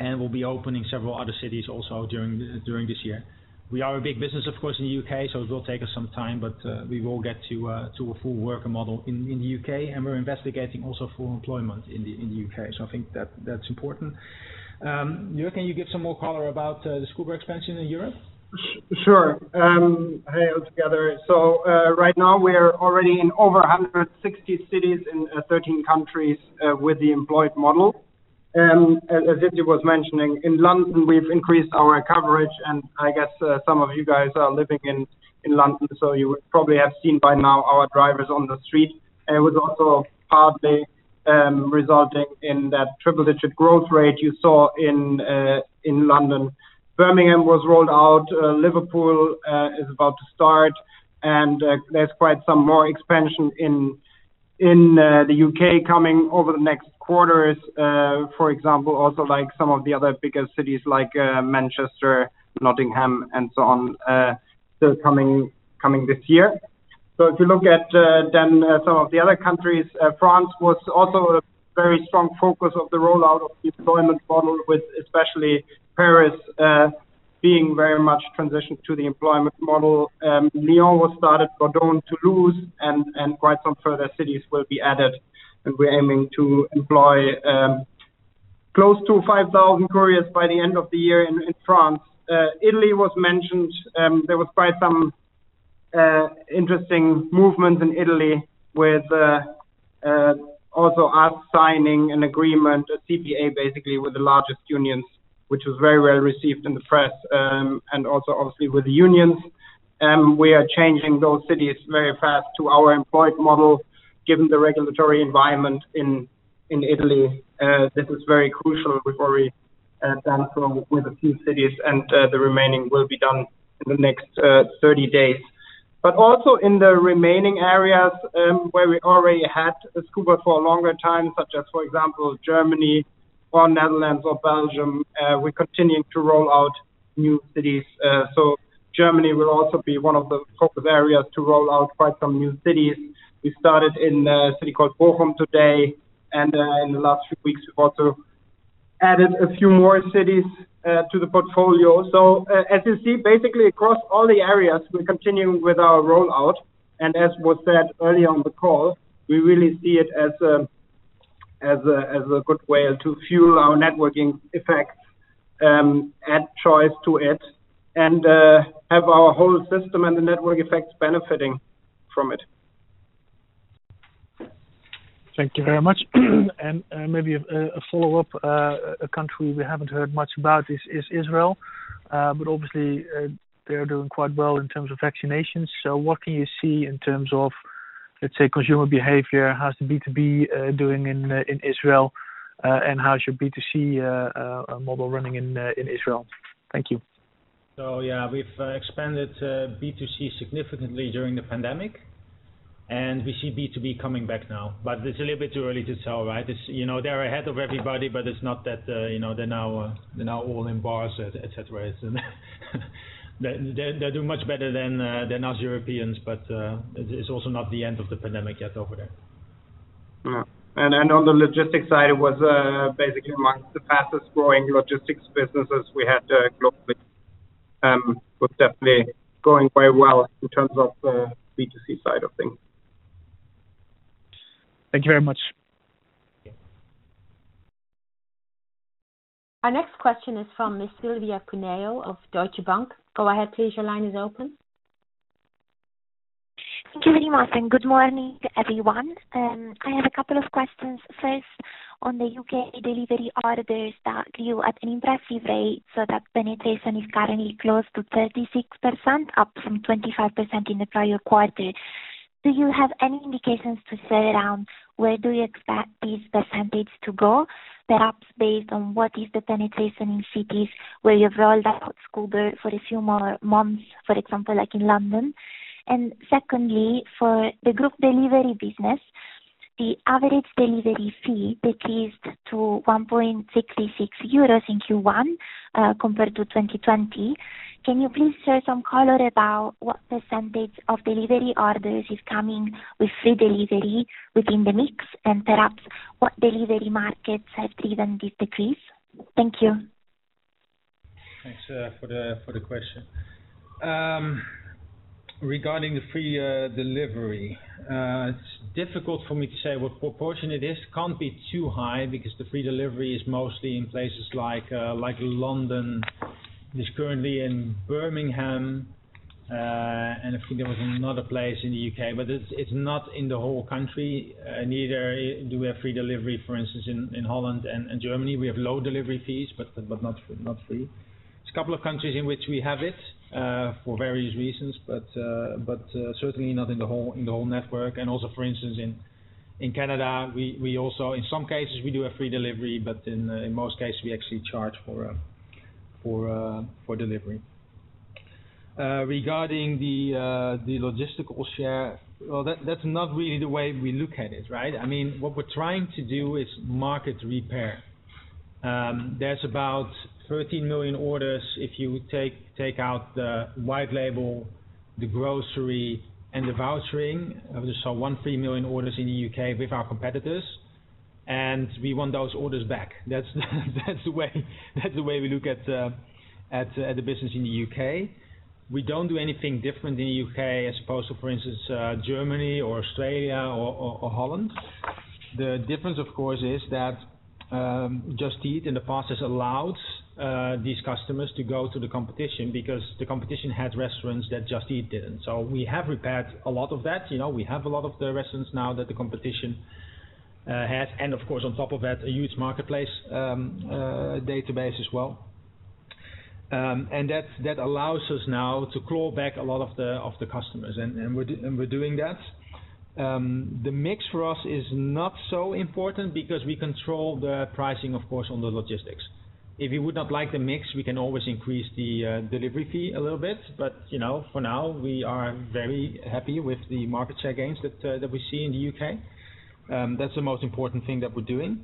and we'll be opening several other cities also during this year. We are a big business, of course, in the U.K., so it will take us some time, but we will get to a full worker model in the U.K., and we're investigating also full employment in the U.K. I think that that's important. Jörg, can you give some more color about the Scoober expansion in Europe? Sure. Hey, all together. Right now we are already in over 160 cities in 13 countries with the employed model. As Jitse was mentioning, in London, we've increased our coverage, and I guess some of you guys are living in London, so you would probably have seen by now our drivers on the street. It was also partly resulting in that triple-digit growth rate you saw in London. Birmingham was rolled out. Liverpool is about to start, and there's quite some more expansion in the U.K. coming over the next quarters. For example, also like some of the other bigger cities like Manchester, Nottingham, and so on, still coming this year. If you look at then some of the other countries, France was also a very strong focus of the rollout of the employment model, with especially Paris being very much transitioned to the employment model. Lyon was started, Bordeaux, Toulouse, and quite some further cities will be added, and we're aiming to employ close to 5,000 couriers by the end of the year in France. Italy was mentioned. There was quite some interesting movement in Italy with also us signing an agreement, a CBA basically, with the largest unions, which was very well received in the press, and also obviously with the unions. We are changing those cities very fast to our employed model, given the regulatory environment in Italy. This is very crucial. We've already done so with a few cities, and the remaining will be done in the next 30 days. Also, in the remaining areas where we already had Scoober for a longer time, such as, for example, Germany or Netherlands or Belgium, we're continuing to roll out new cities. Germany will also be one of the top areas to roll out quite some new cities. We started in a city called Bochum today, and in the last few weeks we've also added a few more cities to the portfolio. As you see, basically across all the areas, we're continuing with our rollout. As was said earlier on the call, we really see it as a good way to fuel our networking effects, add choice to it, and have our whole system and the network effects benefiting from it. Thank you very much. Maybe a follow-up. A country we haven't heard much about is Israel, but obviously they're doing quite well in terms of vaccinations. What can you see in terms of, let's say, consumer behavior? How's the B2B doing in Israel? How is your B2C model running in Israel? Thank you. Yeah, we've expanded B2C significantly during the pandemic, and we see B2B coming back now, but it's a little bit too early to tell, right? They're ahead of everybody, but it's not that they're now all in bars, et cetera. They're doing much better than us Europeans, but it's also not the end of the pandemic yet over there. On the logistics side, it was basically amongst the fastest-growing logistics businesses we had globally. Was definitely going very well in terms of B2C side of things. Thank you very much. Yeah. Our next question is from Miss Silvia Cuneo of Deutsche Bank. Go ahead, please. Your line is open. Thank you very much. Good morning, everyone. I have a couple of questions. First, on the U.K. delivery orders that grew at an impressive rate, so that penetration is currently close to 36%, up from 25% in the prior quarter. Do you have any indications to share around where you expect this percentage to go, perhaps based on what is the penetration in cities where you've rolled out Scoober for a few more months, for example, like in London? Secondly, for the group delivery business, the average delivery fee decreased to 1.66 euros in Q1 compared to 2020. Can you please share some color about what percentage of delivery orders is coming with free delivery within the mix, and perhaps what delivery markets have driven this decrease? Thank you. Thanks for the question. Regarding the free delivery, it's difficult for me to say what proportion it is. Can't be too high because the free delivery is mostly in places like London. It is currently in Birmingham, and I think there was another place in the U.K., but it's not in the whole country. Neither do we have free delivery, for instance, in Holland and Germany. We have low delivery fees, but not free. There's a couple of countries in which we have it, for various reasons, but certainly not in the whole network. For instance, in Canada, we also, in some cases we do a free delivery, but in most cases, we actually charge for delivery. Regarding the logistical share, well, that's not really the way we look at it, right? What we're trying to do is market repair. There's about 13 million orders; if you take out the white label, the grocery, and the vouchering. There's some 13 million orders in the U.K. with our competitors. We want those orders back. That's the way we look at the business in the U.K. We don't do anything different in the U.K. as opposed to, for instance, Germany, Australia, or Holland. The difference, of course, is that Just Eat, in the past, has allowed these customers to go to the competition because the competition had restaurants that Just Eat didn't. We have repaired a lot of that. We have a lot of the restaurants now that the competition had, and of course, on top of that, a huge marketplace database as well. That allows us now to claw back a lot of the customers, and we're doing that. The mix for us is not so important because we control the pricing, of course, on the logistics. If you do not like the mix, we can always increase the delivery fee a little bit. For now, we are very happy with the market share gains that we see in the U.K. That's the most important thing that we're doing.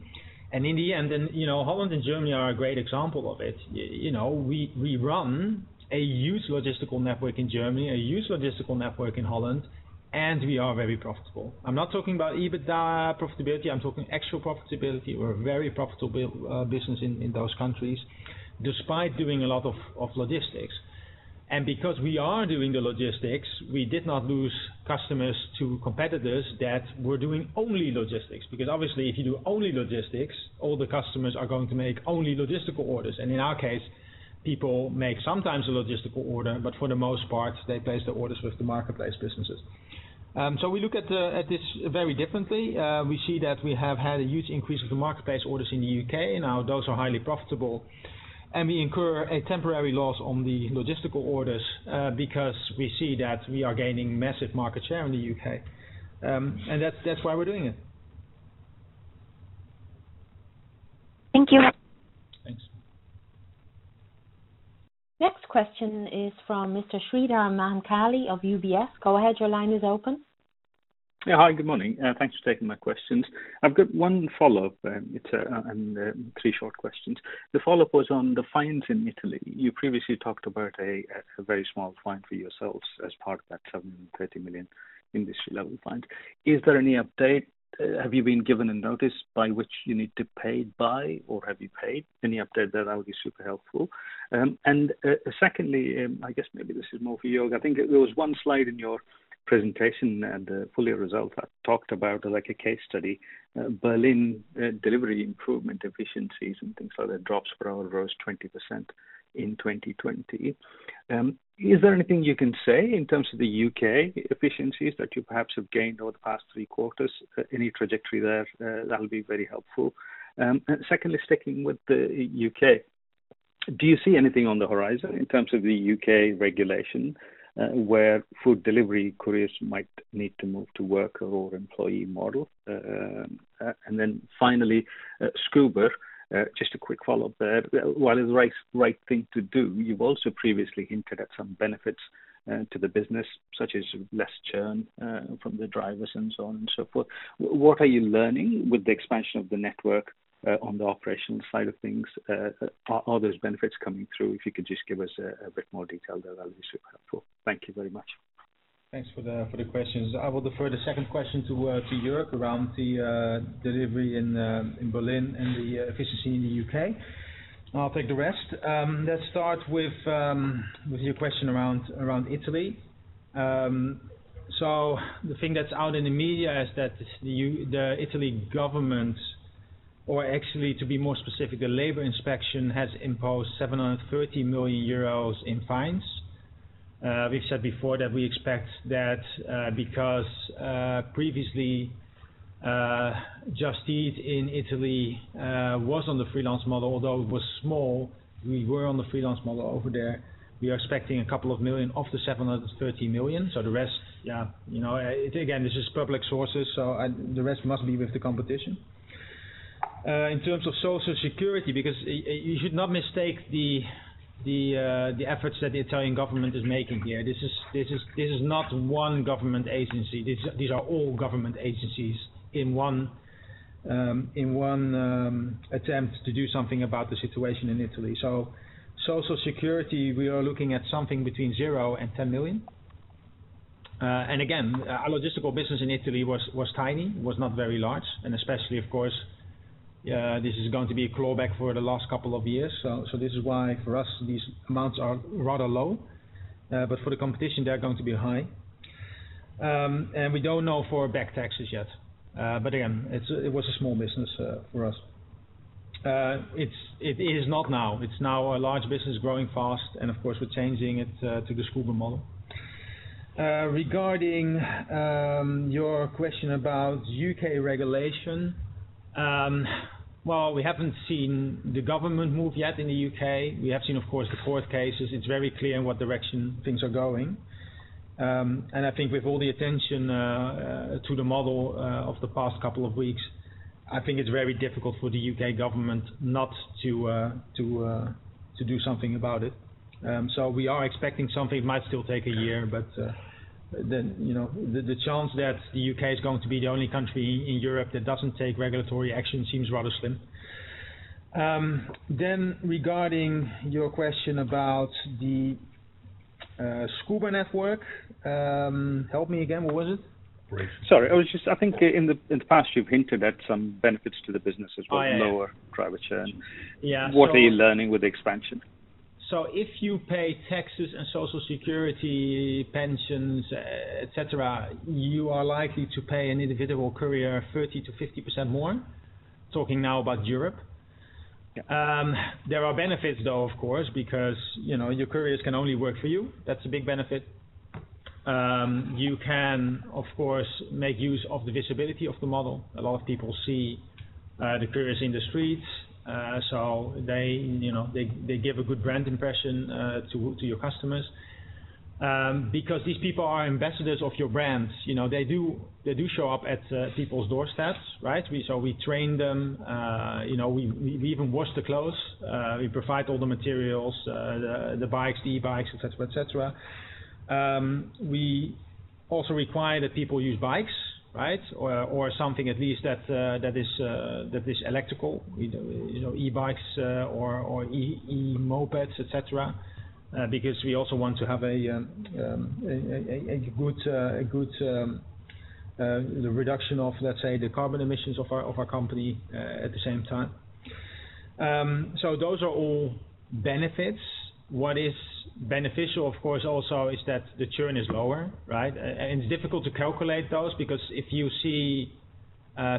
In the end, Holland and Germany are a great example of it. We run a huge logistical network in Germany, a huge logistical network in Holland, and we are very profitable. I'm not talking about EBITDA profitability, I'm talking about actual profitability. We're a very profitable business in those countries, despite doing a lot of logistics. Because we are doing the logistics, we did not lose customers to competitors that were doing only logistics. Obviously, if you do only logistics, all the customers are going to make only logistical orders. In our case, people sometimes make a logistical order, but for the most part, they place the orders with the marketplace businesses. We look at this very differently. We see that we have had a huge increase in marketplace orders in the U.K. Now those are highly profitable. We incur a temporary loss on the logistical orders because we see that we are gaining massive market share in the U.K. That's why we're doing it. Thank you. Thanks. The next question is from Mr. Sreedhar Mahamkali of UBS. Go ahead, your line is open. Yeah. Hi, good morning. Thanks for taking my questions. I've got one follow-up and three short questions. The follow-up was on the fines in Italy. You previously talked about a very small fine for yourselves as part of that 730 million industry-level fine. Is there any update? Have you been given a notice by which you need to pay by, or have you paid? Any update there, that would be super helpful. Secondly, I guess maybe this is more for Jörg. I think there was one slide in your presentation and the full year results that talked about a case study, Berlin delivery improvement efficiencies, and things like that. Drops per hour rose 20% in 2020. Is there anything you can say in terms of the U.K. efficiencies that you perhaps have gained over the past three quarters? Any trajectory there; that'll be very helpful. Secondly, sticking with the U.K., do you see anything on the horizon in terms of the U.K. regulation, where food delivery couriers might need to move to a worker or employee model? Finally, Scoober. Just a quick follow-up there. While it is the right thing to do, you've also previously hinted at some benefits to the business, such as less churn from the drivers and so on and so forth. What are you learning with the expansion of the network on the operations side of things? Are those benefits coming through? If you could just give us a bit more detail there, that would be super helpful. Thank you very much. Thanks for the questions. I will defer the second question to Jörg around the delivery in Berlin and the efficiency in the U.K. I'll take the rest. Let's start with your question around Italy. The thing that's out in the media is that the Italian government, or actually to be more specific, the labor inspection has imposed 730 million euros in fines. We've said before that we expect that because previously Just Eat in Italy was on the freelance model, although it was small, we were on the freelance model over there. We are expecting a couple of million of the 730 million. The rest, again, this is public sources, so the rest must be with the competition. In terms of social security, you should not mistake the efforts that the Italian government is making here. This is not one government agency. These are all government agencies in one attempt to do something about the situation in Italy. Social security, we are looking at something between zero and 10 million. Again, our logistical business in Italy was tiny, was not very large. Especially,, of course, this is going to be a clawback for the last couple of years. This is why for us, these amounts are rather low. For the competition, they're going to be high. We don't know for back taxes yet. Again, it was a small business for us. It is not now. It's now a large business growing fast, and of course, we're changing it to the Scoober model. Regarding your question about U.K. regulation. Well, we haven't seen the government move yet in the U.K. We have seen, of course, the court cases. It's very clear in what direction things are going. I think with all the attention to the model of the past couple of weeks, I think it's very difficult for the U.K. government not to do something about it. We are expecting something. It might still take a year, but the chance that the U.K. is going to be the only country in Europe that doesn't take regulatory action seems rather slim. Regarding your question about the Scoober network. Help me again, what was it? Sorry. I think in the past you've hinted at some benefits to the business as well. Oh, yeah. Lower driver churn. Yeah. What are you learning with the expansion? If you pay taxes and social security, pensions, et cetera, you are likely to pay an individual courier 30%-50% more. Talking now about Europe. There are benefits, though, of course, because your couriers can only work for you. That's a big benefit. You can, of course, make use of the visibility of the model. A lot of people see the couriers in the streets. They give a good brand impression to your customers. These people are ambassadors of your brands. They do show up at people's doorsteps, right? We train them. We even wash the clothes. We provide all the materials, the bikes, the e-bikes, et cetera. We also require that people use bikes, right? Something at least that is electrical. E-bikes or e-mopeds, et cetera, because we also want to have a good reduction of, let's say, the carbon emissions of our company at the same time. Those are all benefits. What is beneficial, of course, is that the churn is lower, right? It's difficult to calculate those, because if you see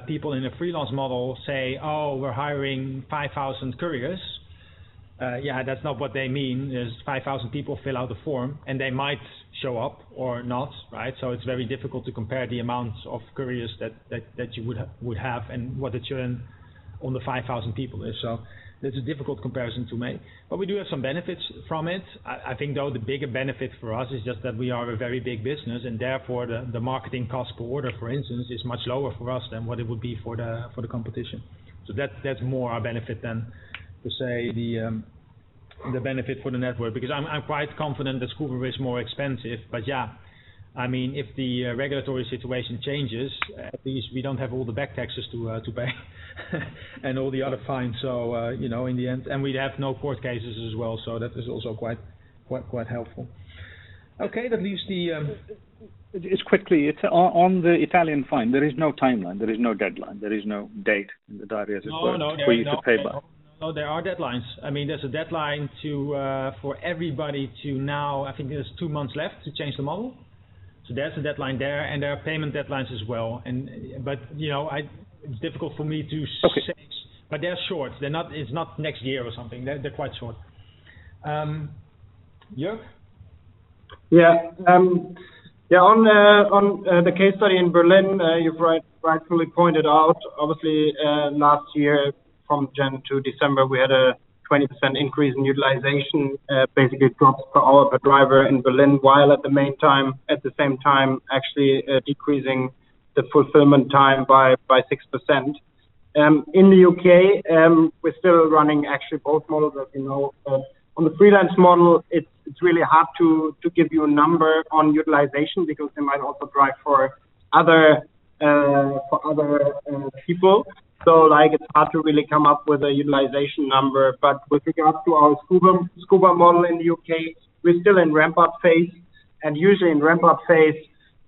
people in a freelance model say, "Oh, we're hiring 5,000 couriers." Yeah, that's not what they mean. It's 5,000 people who fill out the form, and they might show up or not, right? It's very difficult to compare the amounts of couriers that you would have and what the churn on the 5,000 people is. That's a difficult comparison to make. We do have some benefits from it. I think, though, the bigger benefit for us is just that we are a very big business and therefore the marketing cost per order, for instance, is much lower for us than what it would be for the competition. That's more our benefit than, to say the benefit for the network, because I'm quite confident that Scoober is more expensive. Yeah, if the regulatory situation changes, at least we don't have all the back taxes to pay and all the other fines. We'd have no court cases as well, which is also quite helpful. Just quickly, on the Italian fine, there is no timeline, there is no deadline, there is no date that I read as well for you to pay by? No, there are deadlines. There's a deadline for everybody to know, I think there's two months left to change the model. There's a deadline there. There are payment deadlines as well. It's difficult for me to say. Okay They're short. It's not next year or something. They're quite short. Jörg? On the case study in Berlin, you've rightfully pointed out, obviously, last year, from January to December, we had a 20% increase in utilization, basically a drop for all of the drivers in Berlin, while at the same time actually decreasing the fulfillment time by 6%. In the U.K., we're still running actually both models, as you know. On the freelance model, it's really hard to give you a number on utilization because they might also drive for other people. It's hard to really come up with a utilization number. With regards to our Scoober model in the U.K., we're still in the ramp-up phase. Usually in the ramp-up phase,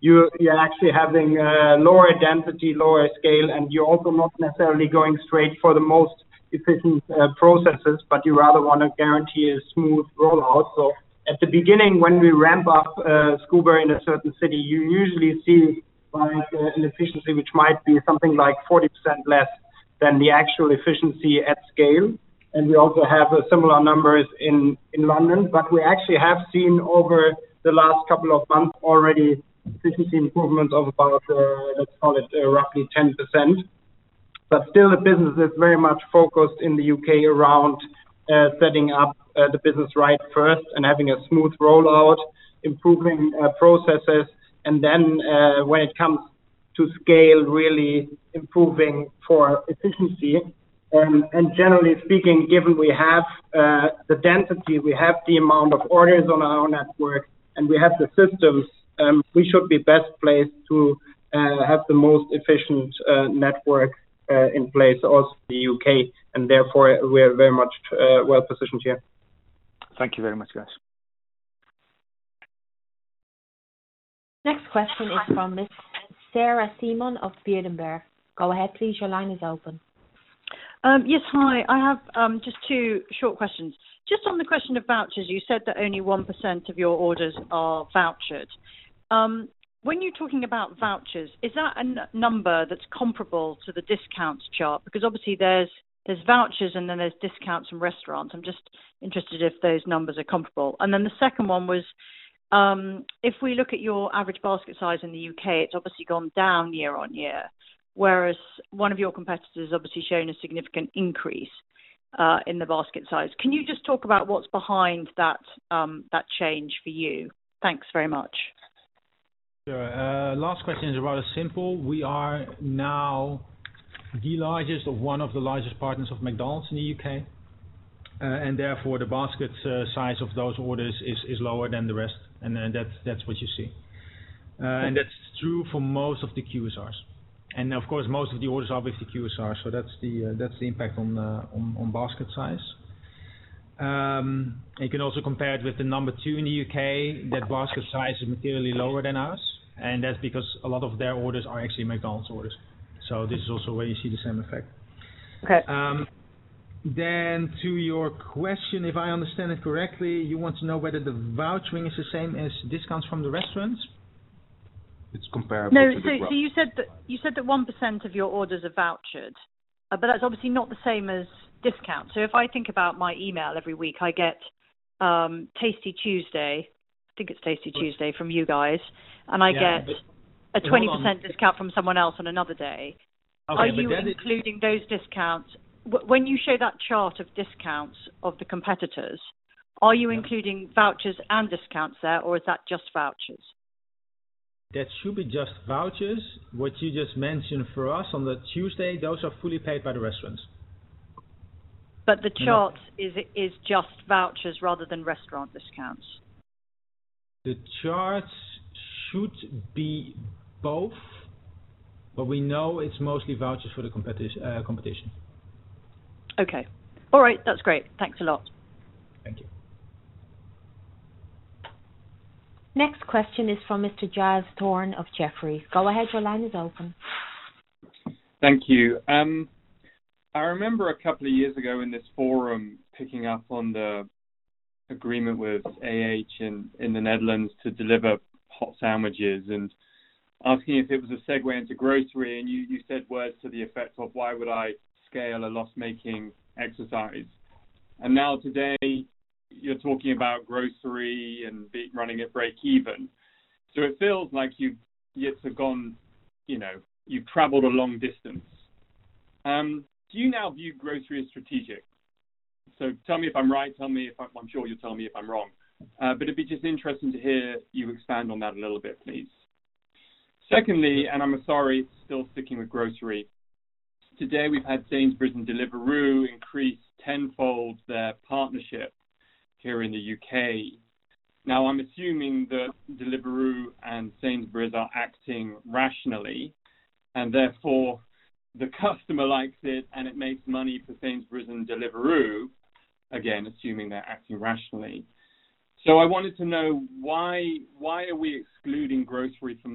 you're actually having a lower density, lower scale, and you're also not necessarily going straight for the most efficient processes, but you rather want to guarantee a smooth rollout. At the beginning, when we ramp up Scoober in a certain city, you usually see an efficiency that might be something like 40% less than the actual efficiency at scale. We also have similar numbers in London. We actually have seen over the last couple of months already, efficiency improvements of about, let's call it roughly 10%. Still, the business is very much focused on the U.K. around setting up the business right first and having a smooth rollout, improving processes, and then, when it comes to scale, really improving for efficiency. Generally speaking, given we have the density, we have the amount of orders on our network, and we have the systems, we should be best placed to have the most efficient network in place, also in the U.K., and therefore we are very much well-positioned here. Thank you very much, guys. Next question is from Ms. Sarah Simon of Berenberg. Go ahead, please. Your line is open. Yes, hi. I have just two short questions. Just on the question of vouchers, you said that only 1% of your orders are vouchered. When you're talking about vouchers, is that a number that's comparable to the discounts chart? Obviously, there's vouchers, and then there's discounts from restaurants. I'm just interested if those numbers are comparable. The second one was, if we look at your average basket size in the U.K., it's obviously gone down year-over-year, whereas one of your competitors is obviously showing a significant increase in the basket size. Can you just talk about what's behind that change for you? Thanks very much. Sure. The last question is rather simple. We are now the largest or one of the largest partners of McDonald's in the U.K.; therefore, the basket size of those orders is lower than the rest, that's what you see. That's true for most of the QSRs. Of course, most of the orders are obviously QSR, that's the impact on basket size. You can also compare it with the number two in the U.K. That basket size is materially lower than ours; that's because a lot of their orders are actually McDonald's orders. This is also where you see the same effect. Okay. To your question, if I understand it correctly, you want to know whether the vouchering is the same as discounts from the restaurants? It's comparable to the growth. No. You said that 1% of your orders are vouchered, but that's obviously not the same as a discount. If I think about my email every week, I get Tasty Tuesday. I think it's Tasty Tuesday from you guys. Yeah. I get a 20% discount from someone else on another day. Okay. Are you including those discounts? When you show that chart of discounts of the competitors, are you including vouchers and discounts there, or is that just vouchers? That should be just vouchers. What you just mentioned for us on Tuesday, those are fully paid by the restaurants. The chart is just vouchers rather than restaurant discounts. The charts should be both, but we know it's mostly vouchers for the competition. Okay. All right. That's great. Thanks a lot. Thank you. The next question is from Mr. Giles Thorne of Jefferies. Go ahead, your line is open. Thank you. I remember a couple of years ago in this forum, picking up on the agreement with AH in the Netherlands to deliver hot sandwiches and asking if it was a segue into grocery, and you said words to the effect of, why would I scale a loss-making exercise? Now today, you're talking about grocery and running at breakeven. It feels like you've traveled a long distance. Do you now view grocery as strategic? Tell me if I'm right, I'm sure you'll tell me if I'm wrong. It'd be just interesting to hear you expand on that a little bit, please. Secondly, I'm sorry, still sticking with groceries. Today, we've had Sainsbury's and Deliveroo increase tenfold their partnership here in the U.K. I'm assuming that Deliveroo and Sainsbury's are acting rationally, and therefore the customer likes it, and it makes money for Sainsbury's and Deliveroo, again, assuming they're acting rationally. I wanted to know why are we excluding grocery from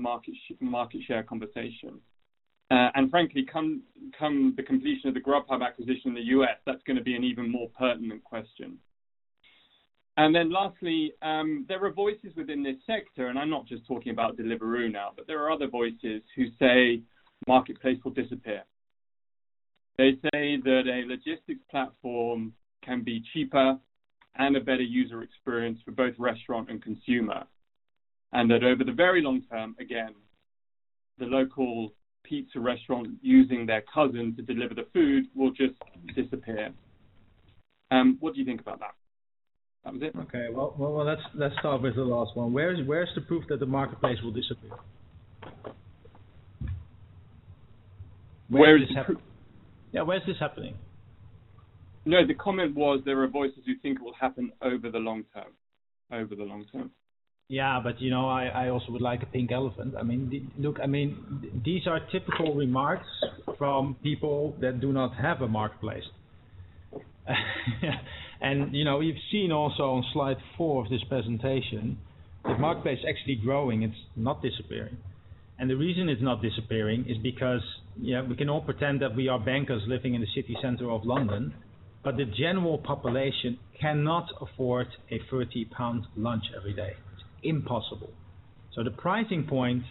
the market share conversation? Frankly, come the completion of the Grubhub acquisition in the U.S., that's going to be an even more pertinent question. Lastly, there are voices within this sector, and I'm not just talking about Deliveroo now, but there are other voices that say the marketplace will disappear. They say that a logistics platform can be cheaper and a better user experience for both restaurant and consumer. That over the very long term, again, the local pizza restaurant using their cousin to deliver the food will just disappear. What do you think about that? That was it. Okay. Well, let's start with the last one. Where's the proof that the marketplace will disappear? Where is the proof? Yeah. Where is this happening? No, the comment was there are voices who think it will happen over the long term. I also would like a pink elephant. Look, these are typical remarks from people who do not have a marketplace. We've also seen on slide four of this presentation that the marketplace is actually growing, it's not disappearing. The reason it's not disappearing is that we can all pretend that we are bankers living in the city center of London, but the general population cannot afford a 30 pound lunch every day. Impossible. The pricing point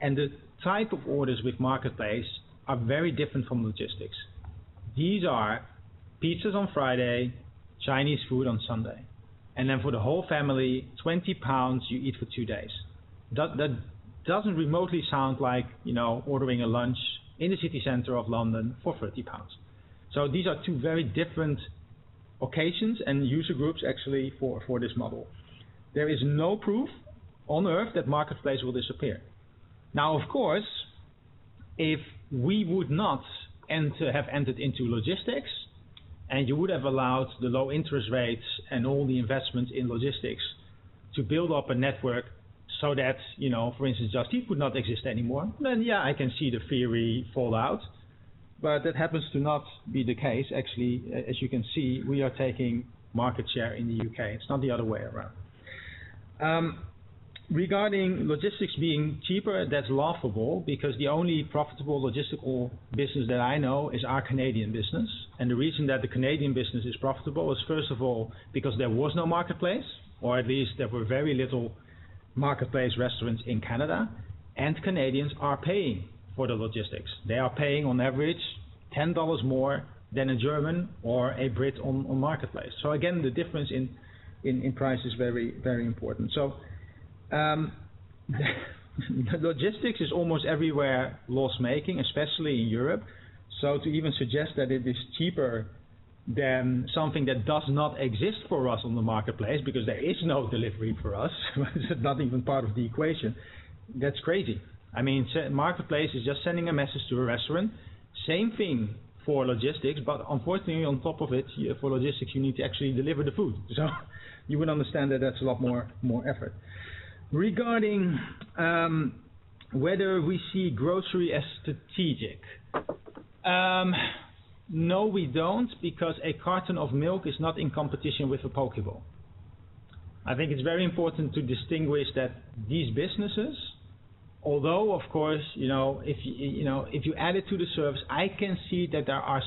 and the type of orders with the marketplace are very different from logistics. These are pizzas on Friday, Chinese food on Sunday, then for the whole family, 20 pounds, you eat for two days. That doesn't remotely sound like ordering lunch in the city center of London for 30 pounds. These are two very different occasions and user groups, actually, for this model. There is no proof on Earth that the marketplace will disappear. Of course, if we had not entered into logistics and you had allowed the low interest rates and all the investment in logistics to build up a network so that, for instance, Just Eat would not exist anymore, then yeah, I can see the theory fall out, but that happens to not be the case. As you can see, we are taking market share in the U.K. It's not the other way around. Regarding logistics being cheaper, that's laughable because the only profitable logistical business that I know is our Canadian business. The reason that the Canadian business is profitable is, first of all, because there was no marketplace, or at least there were very little marketplace restaurants in Canada, and Canadians are paying for the logistics. They are paying on average EUR 10 more than a German or a Brit on the marketplace. Again, the difference in price is very important. Logistics is almost everywhere loss-making, especially in Europe. To even suggest that it is cheaper than something that does not exist for us on the marketplace because there is no delivery for us, it's not even part of the equation; that's crazy. Marketplace is just sending a message to a restaurant. Same thing for logistics, but unfortunately, on top of it, for logistics, you need to actually deliver the food. You would understand that that's a lot more effort. Regarding whether we see grocery as strategic. No, we don't because a carton of milk is not in competition with a poke bowl. I think it's very important to distinguish that these businesses, although, of course, if you add it to the service, I can see that there are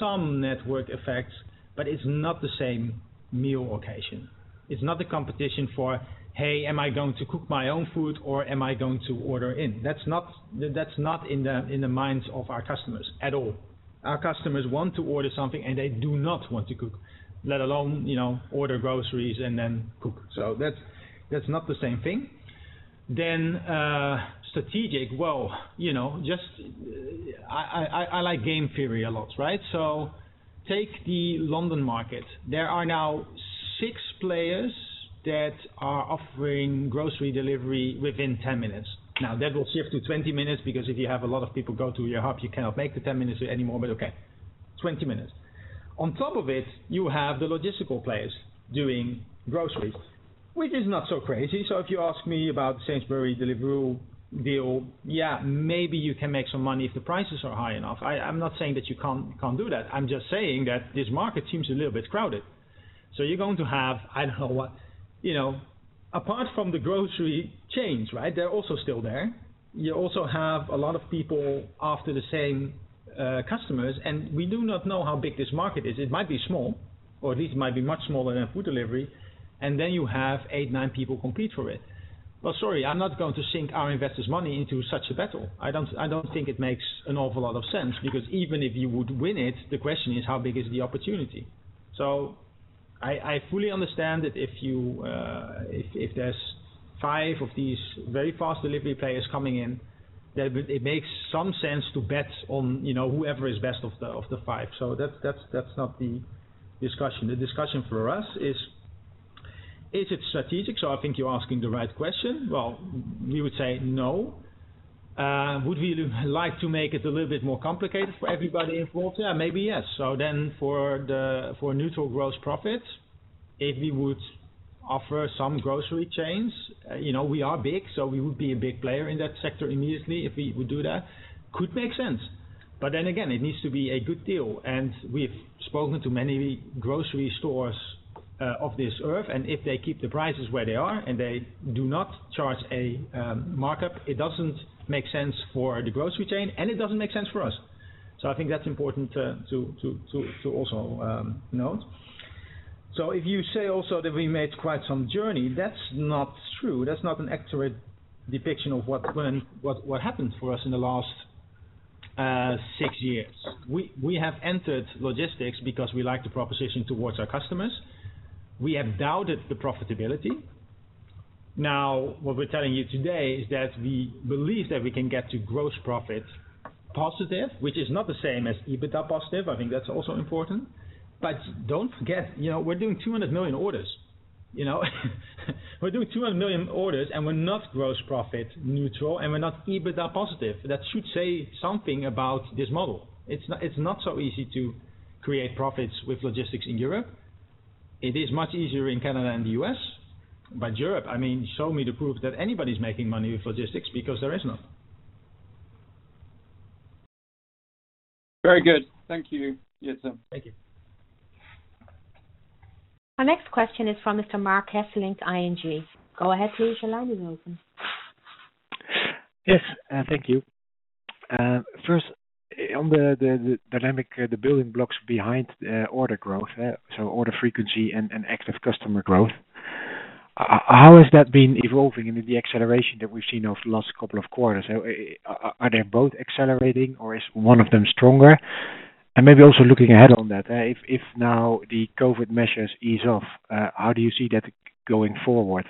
some network effects, but it's not the same meal occasion. It's not a competition for, hey, am I going to cook my own food or am I going to order in? That's not in the minds of our customers at all. Our customers want to order something, and they do not want to cook, let alone order groceries and then cook. That's not the same thing. Strategic. I like game theory a lot, right? Take the London market. There are now six players that are offering grocery delivery within 10 minutes. That will shift to 20 minutes because if you have a lot of people going to your hub, you cannot make the 10 minutes anymore, but okay, 20 minutes. On top of it, you have the logistical players doing groceries, which is not so crazy. If you ask me about Sainsbury's and the Deliveroo deal, yeah, maybe you can make some money if the prices are high enough. I'm not saying that you can't do that. I'm just saying that this market seems a little bit crowded. You're going to have, I don't know what. Apart from the grocery chains, they're also still there. You also have a lot of people after the same customers, and we do not know how big this market is. It might be small, or at least might be much smaller than food delivery, and then you have eight, nine people competing for it. Sorry, I'm not going to sink our investors' money into such a battle. I don't think it makes an awful lot of sense because even if you were to it, the question is, how big is the opportunity? I fully understand that if there's five of these very fast delivery players coming in, that it makes some sense to bet on whoever is best of the five. That's not the discussion. The discussion for us is. Is it strategic? I think you're asking the right question. Well, we would say no. Would we like to make it a little bit more complicated for everybody involved? Yeah, maybe yes. For neutral gross profits, if we were to offer some grocery chains, we are big, so we would be a big player in that sector immediately, if we would do that. It could make sense. It needs to be a good deal, and we've spoken to many grocery stores of this earth, and if they keep the prices where they are and they do not charge a markup, it doesn't make sense for the grocery chain, and it doesn't make sense for us. I think that's important to also note. If you also say that we made quite a journey, that's not true; that's not an accurate depiction of what happened for us in the last six years. We have entered logistics because we like the proposition towards our customers. We have doubted the profitability. Now, what we're telling you today is that we believe that we can get to gross profit positive, which is not the same as EBITDA positive. I think that's also important. Don't forget, we're doing 200 million orders. We're doing 200 million orders, and we're not gross profit neutral, and we're not EBITDA positive. That should say something about this model. It's not so easy to create profits with logistics in Europe. It is much easier in Canada and the U.S., but in Europe, show me the proof that anybody's making money with logistics because there is none. Very good. Thank you, Jitse. Thank you. Our next question is from Mr. Marc Hesselink, ING. Go ahead, please. Your line is open. Yes, thank you. First, on the dynamic, the building blocks behind order growth are order frequency and active customer growth. How has that been evolving into the acceleration that we've seen over the last couple of quarters? Are they both accelerating, or is one of them stronger? Maybe also looking ahead to that, if now the COVID measures ease off, how do you see that going forward?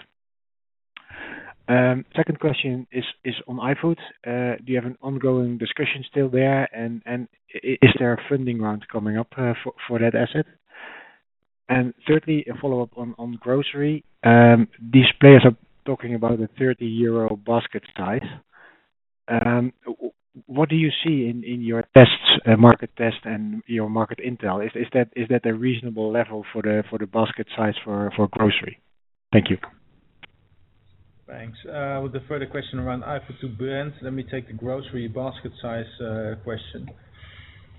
The second question is on iFood. Do you have an ongoing discussion still there? Is there a funding round coming up for that asset? Thirdly, a follow-up on groceries. These players are talking about a 30-euro basket size Thanks. With the further question around iFood to Brent, let me take the grocery basket size question.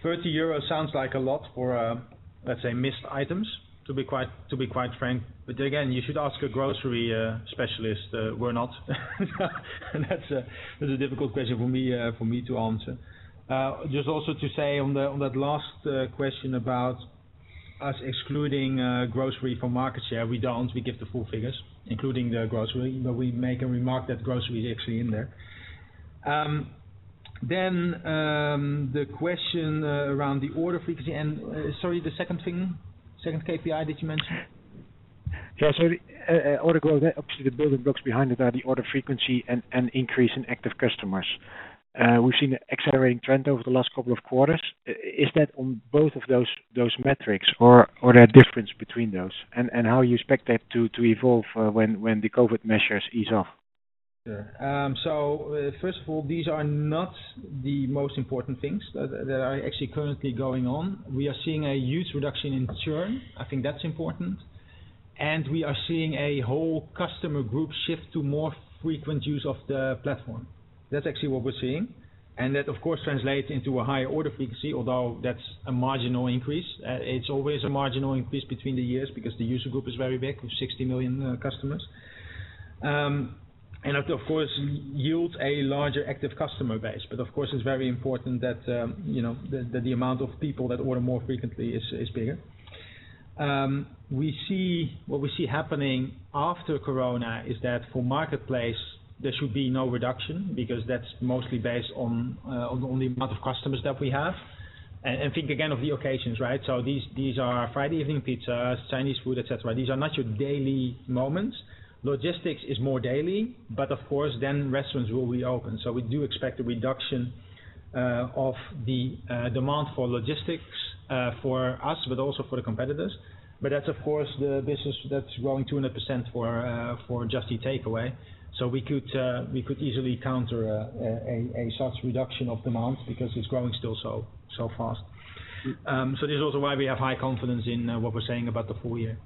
30 euros sounds like a lot for, let's say, missed items, to be quite frank. Again, you should ask a grocery specialist. We're not. That's a difficult question for me to answer. Just also to say on that last question about us excluding grocery from market share, we don't. We give the full figures, including the grocery, but we make a remark that the grocery is actually in there. The question around the order frequency and sorry, the second KPI that you mentioned. Yeah, order growth, obviously, the building blocks behind it are the order frequency and the increase in active customers. We've seen an accelerating trend over the last couple of quarters. Is that on both of those metrics, or are there differences between those? How do you expect that to evolve when the COVID measures ease off? Sure. First of all, these are not the most important things that are actually currently going on. We are seeing a huge reduction in churn. I think that's important, and we are seeing a whole customer group shift to more frequent use of the platform. That's actually what we're seeing, and that, of course, translates into a higher order frequency, although that's a marginal increase. It's always a marginal increase between the years because the user group is very big, with 60 million customers. Of course, yields a larger active customer base. Of course, it's very important that the amount of people who order more frequently is bigger. What we see happening after Corona is that for Marketplace, there should be no reduction because that's mostly based on the amount of customers that we have. Think again of the occasions, right? These are Friday evening pizza, Chinese food, et cetera. These are not your daily moments. Logistics is more daily, of course, restaurants will reopen. We do expect a reduction of the demand for logistics for us, but also for the competitors. That's of course, the business that's growing 200% for Just Eat Takeaway. We could easily counter such a reduction of demand because it's still growing so fast. This is also why we have high confidence in what we're saying about the full year.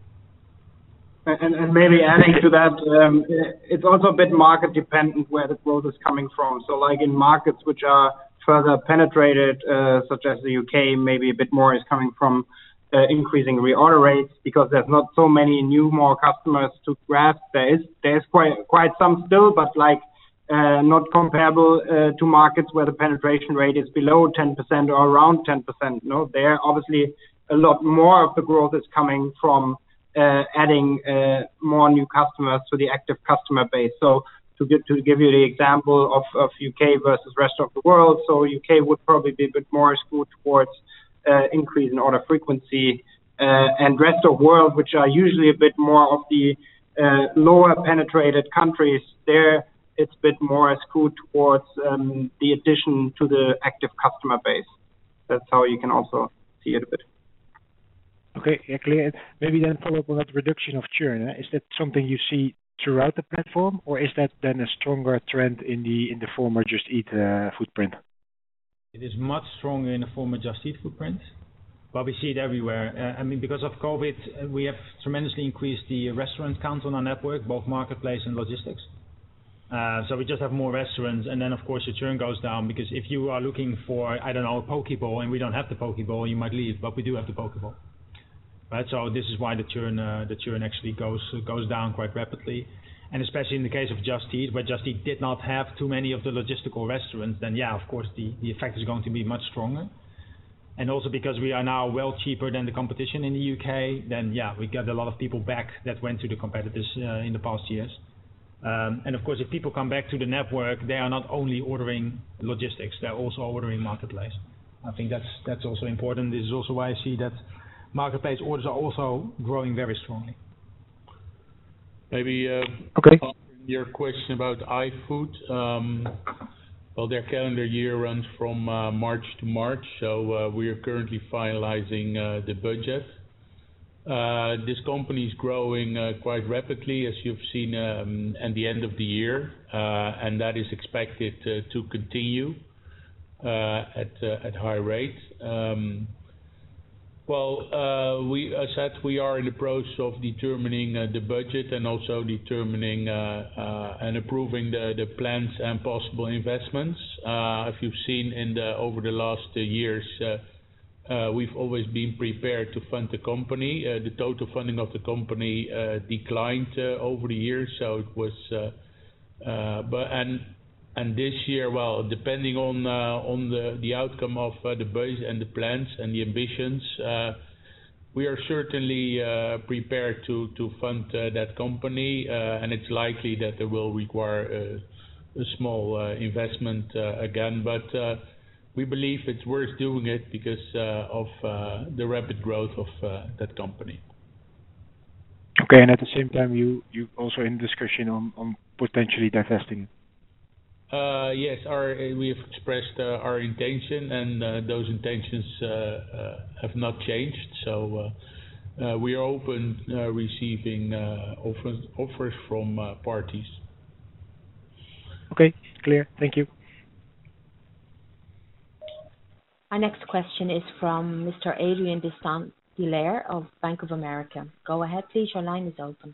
Maybe adding to that, it's also a bit market-dependent where the growth is coming from. Like in markets which are further penetrated, such as the U.K., maybe a bit more is coming from increasing reorder rates because there's not so many new, more customers to grasp there. There's quite some still, but like not comparable to markets where the penetration rate is below 10% or around 10%, no. There obviously, a lot more of the growth is coming from adding new customers to the active customer base. To give you the example of the U.K. versus rest of the world, so U.K. would probably be a bit more skewed towards increase in order frequency. Rest of world, which are usually a bit more of the lower penetrated countries, there it's a bit more skewed towards the addition to the active customer base. That's how you can also see it a bit. Okay, yeah, clear. Maybe follow up on that reduction of churn. Is that something you see throughout the platform, or is that then a stronger trend in the former Just Eat footprint? It is much stronger in the former Just Eat footprint. We see it everywhere. Because of COVID, we have tremendously increased the restaurant count on our network, both marketplace and in logistics. We just have more restaurants. Of course, the churn goes down because if you are looking for, I don't know, a poke bowl, and we don't have the poke bowl, you might leave. We do have the poke bowl. This is why the churn actually goes down quite rapidly. Especially in the case of Just Eat, where Just Eat did not have too many of the logistical restaurants, yeah, of course, the effect is going to be much stronger. Also, because we are now cheaper than the competition in the U.K., yeah, we get a lot of people back who went to the competitors in the past years. Of course, if people come back to the network, they are not only ordering logistics, they're also ordering the marketplace. I think that's also important. This is also why I see that marketplace orders are also growing very strongly. Maybe- Okay Your question about iFood. Well, their calendar year runs from March to March, so we are currently finalizing the budget. This company's growing quite rapidly, as you've seen at the end of the year. That is expected to continue at high rates. Well, as said, we are in the process of determining the budget and also determining and approving the plans and possible investments. If you've seen over the last few years, we've always been prepared to fund the company. The total funding of the company declined over the years. This year, well, depending on the outcome of the budget and the plans and the ambitions, we are certainly prepared to fund that company. It's likely that it will require a small investment again. We believe it's worth doing it because of the rapid growth of that company. Okay. At the same time, you also in discussion on potentially divesting? Yes. We have expressed our intention and those intentions have not changed. We are open receiving offers from parties. Okay. Clear. Thank you. Our next question is from Mr. Adrien de Saint Hilaire of Bank of America. Go ahead, please. Your line is open.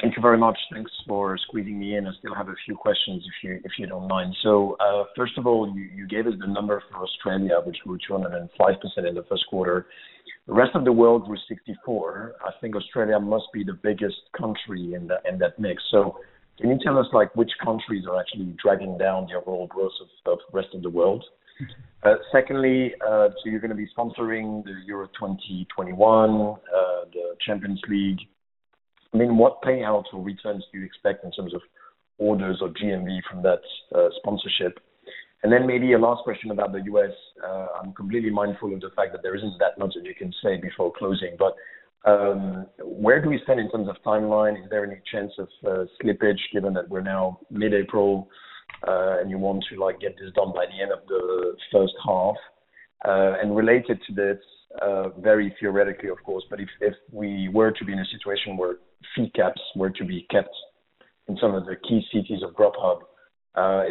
Thank you very much. Thanks for squeezing me in. I still have a few questions, if you don't mind. First of all, you gave us the number for Australia, which grew 205% in the first quarter. The rest of the world was 64%. I think Australia must be the biggest country in that mix. Can you tell us which countries are actually dragging down your overall growth of rest of the world? Secondly, you're going to be sponsoring the EURO 2020 and the UEFA Champions League. What payouts or returns do you expect in terms of orders or GMV from that sponsorship? Maybe a last question about the U.S. I'm completely mindful of the fact that there isn't that much that you can say before closing, but where do we stand in terms of timeline? Is there any chance of slippage given that we're now mid-April, and you want to get this done by the end of the first half? Related to this, very theoretically, of course, but if we were to be in a situation where fee caps were to be kept in some of the key cities of Grubhub,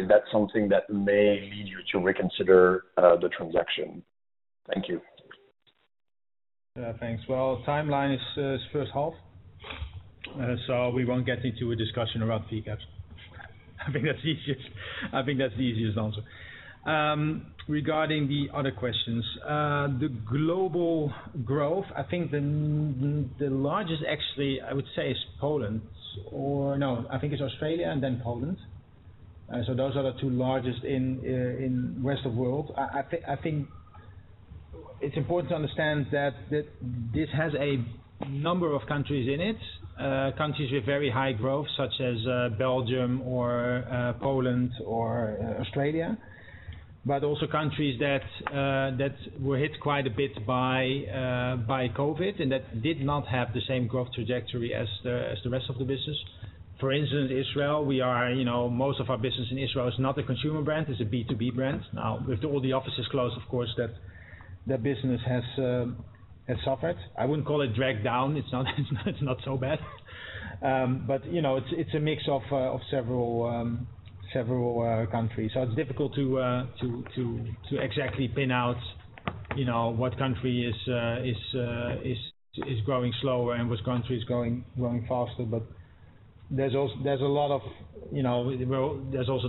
is that something that may lead you to reconsider the transaction? Thank you. Yeah, thanks. Well, the timeline is the first half. We won't get into a discussion around fee caps. I think that's the easiest answer. Regarding the other questions, the global growth, I think the largest actually, I would say is Poland. No, I think it's Australia and then Poland. Those are the two largest in the rest of the world. I think it's important to understand that this has a number of countries in it. Countries with very high growth, such as Belgium or Poland or Australia, but also countries that were hit quite a bit by COVID and that did not have the same growth trajectory as the rest of the business. For instance, Israel, most of our business in Israel is not a consumer brand, it's a B2B brand. Now, with all the offices closed, of course, that business has suffered. I wouldn't call it dragged down. It's not so bad. It's a mix of several countries. It's difficult to exactly pin out what country is growing slower and which is growing faster. There's also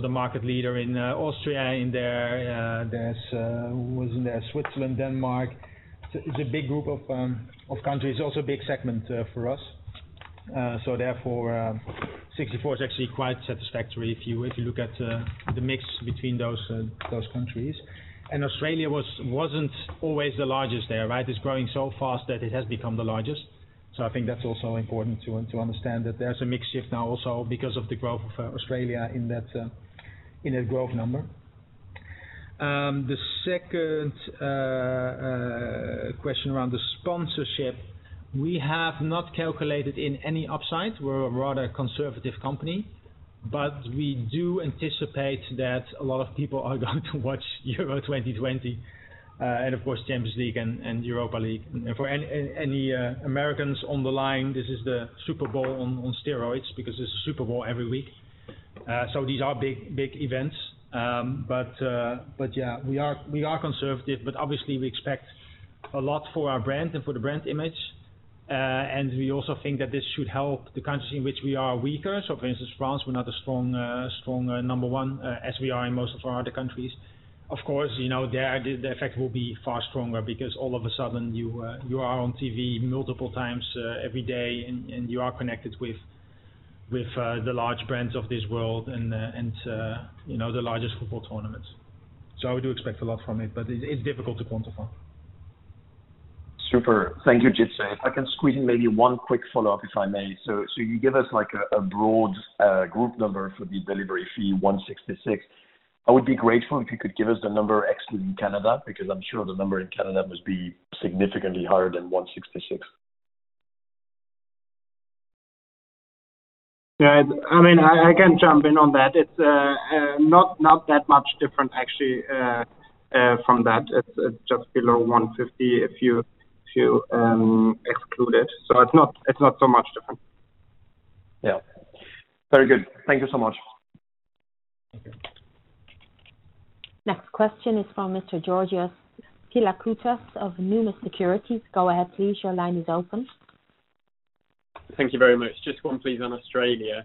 the market leader in Austria in there. Who was in there? Switzerland, Denmark. It's a big group of countries, also a big segment for us. Therefore, 64 is actually quite satisfactory if you look at the mix between those countries. Australia wasn't always the largest there, right? It's growing so fast that it has become the largest. I think that's also important to understand that there's a mix shift now also because of the growth of Australia in that growth number. The second question around the sponsorship. We have not calculated in any upside. We're a rather conservative company. We do anticipate that a lot of people are going to watch the EURO 2020, and of course, the Champions League and the Europa League. For any Americans on the line, this is the Super Bowl on steroids because it's a Super Bowl every week. These are big events. Yeah, we are conservative, but obviously we expect a lot from our brand and from the brand image. We also think that this should help the countries in which we are weaker. For instance, in France, we're not a strong number one, as we are in most of our other countries. Of course, there, the effect will be far stronger because all of a sudden, you are on TV multiple times every day, and you are connected with the large brands of this world and the largest football tournaments. I do expect a lot from it, but it's difficult to quantify. Super. Thank you, Jitse. If I can squeeze in maybe one quick follow-up, if I may. You give us a broad group number for the delivery fee, 1.66. I would be grateful if you could give us the number excluding Canada, because I am sure the number in Canada must be significantly higher than 1.66. Yeah. I can jump in on that. It's not that much different, actually, from that. It's just below 1.50 if you exclude it. It's not so much different. Yeah. Very good. Thank you so much. The next question is from Mr. Georgios Pilakoutas of Numis Securities. Go ahead, please. Your line is open. Thank you very much. Just one, please, on Australia.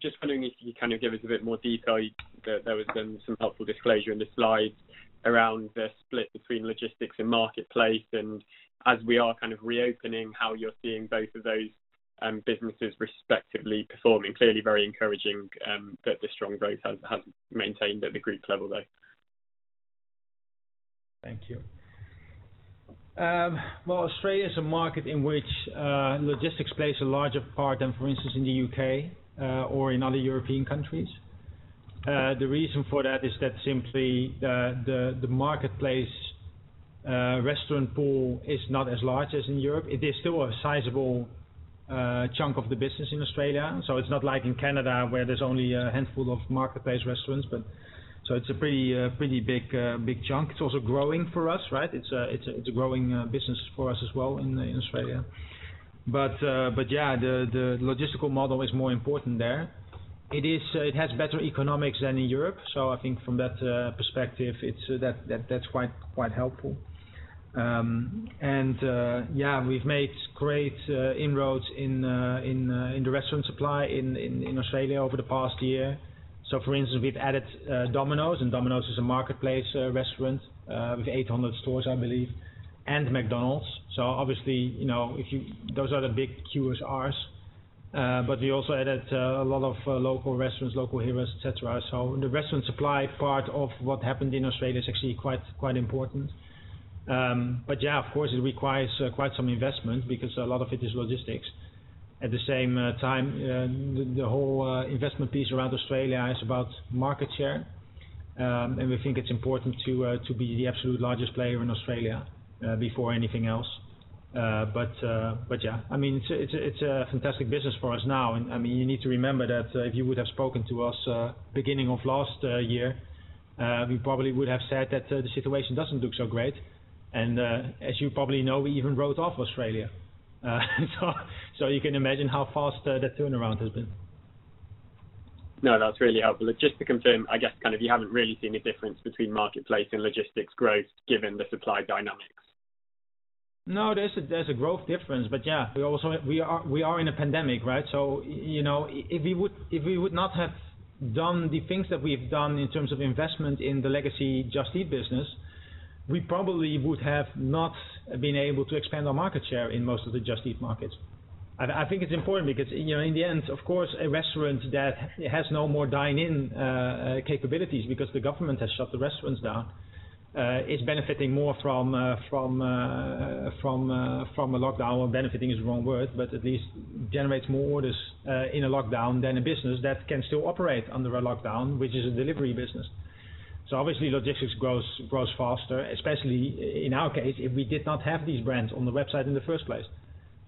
Just wondering if you could kind of give us a bit more detail. There was some helpful disclosure in the slides around the split between logistics and marketplace, and as we are kind of reopening, how you're seeing both of those businesses performing. Clearly very encouraging that the strong growth has been maintained at the group level, though. Thank you. Well, Australia's a market in which logistics plays a larger part than, for instance, in the U.K. or in other European countries. The reason for that is that simply the marketplace restaurant pool is not as large as in Europe. It is still a sizable chunk of the business in Australia, so it's not like in Canada, where there's only a handful of marketplace restaurants. It's a pretty big chunk. It's also growing for us, right? It's a growing business for us as well in Australia. Yeah, the logistical model is more important there. It has better economics than in Europe, so I think from that perspective, that's quite helpful. Yeah, we've made great inroads in the restaurant supply in Australia over the past year. For instance, we've added Domino's, and Domino's is a marketplace restaurant with 800 stores, I believe, and McDonald's. Obviously, those are the big QSRs. We also added a lot of local restaurants, Local Heroes, et cetera. The restaurant supply part of what happened in Australia is actually quite important. Yeah, of course, it requires quite some investment because a lot of it is logistics. At the same time, the whole investment piece around Australia is about market share, and we think it's important to be the absolute largest player in Australia before anything else. Yeah. It's a fantastic business for us now, and you need to remember that if you had spoken to us at the beginning of last year, we probably would have said that the situation doesn't look so great, and as you probably know, we even wrote off Australia. You can imagine how fast the turnaround has been. No, that's really helpful. Just to confirm, I guess you haven't really seen a difference between marketplace and logistics growth, given the supply dynamics? No, there's a growth difference, but yeah. We are in a pandemic, right? If we had not done the things that we've done in terms of investment in the legacy Just Eat business, we probably would not have been able to expand our market share in most of the Just Eat markets. I think it's important because, in the end, of course, a restaurant that has no more dine-in capabilities because the government has shut the restaurants down, is benefiting more from a lockdown. Well, benefiting is the wrong word, but at least it generates more orders in a lockdown than a business that can still operate under a lockdown, which is a delivery business. Obviously, logistics grow faster, especially in our case, if we had not had these brands on the website in the first place.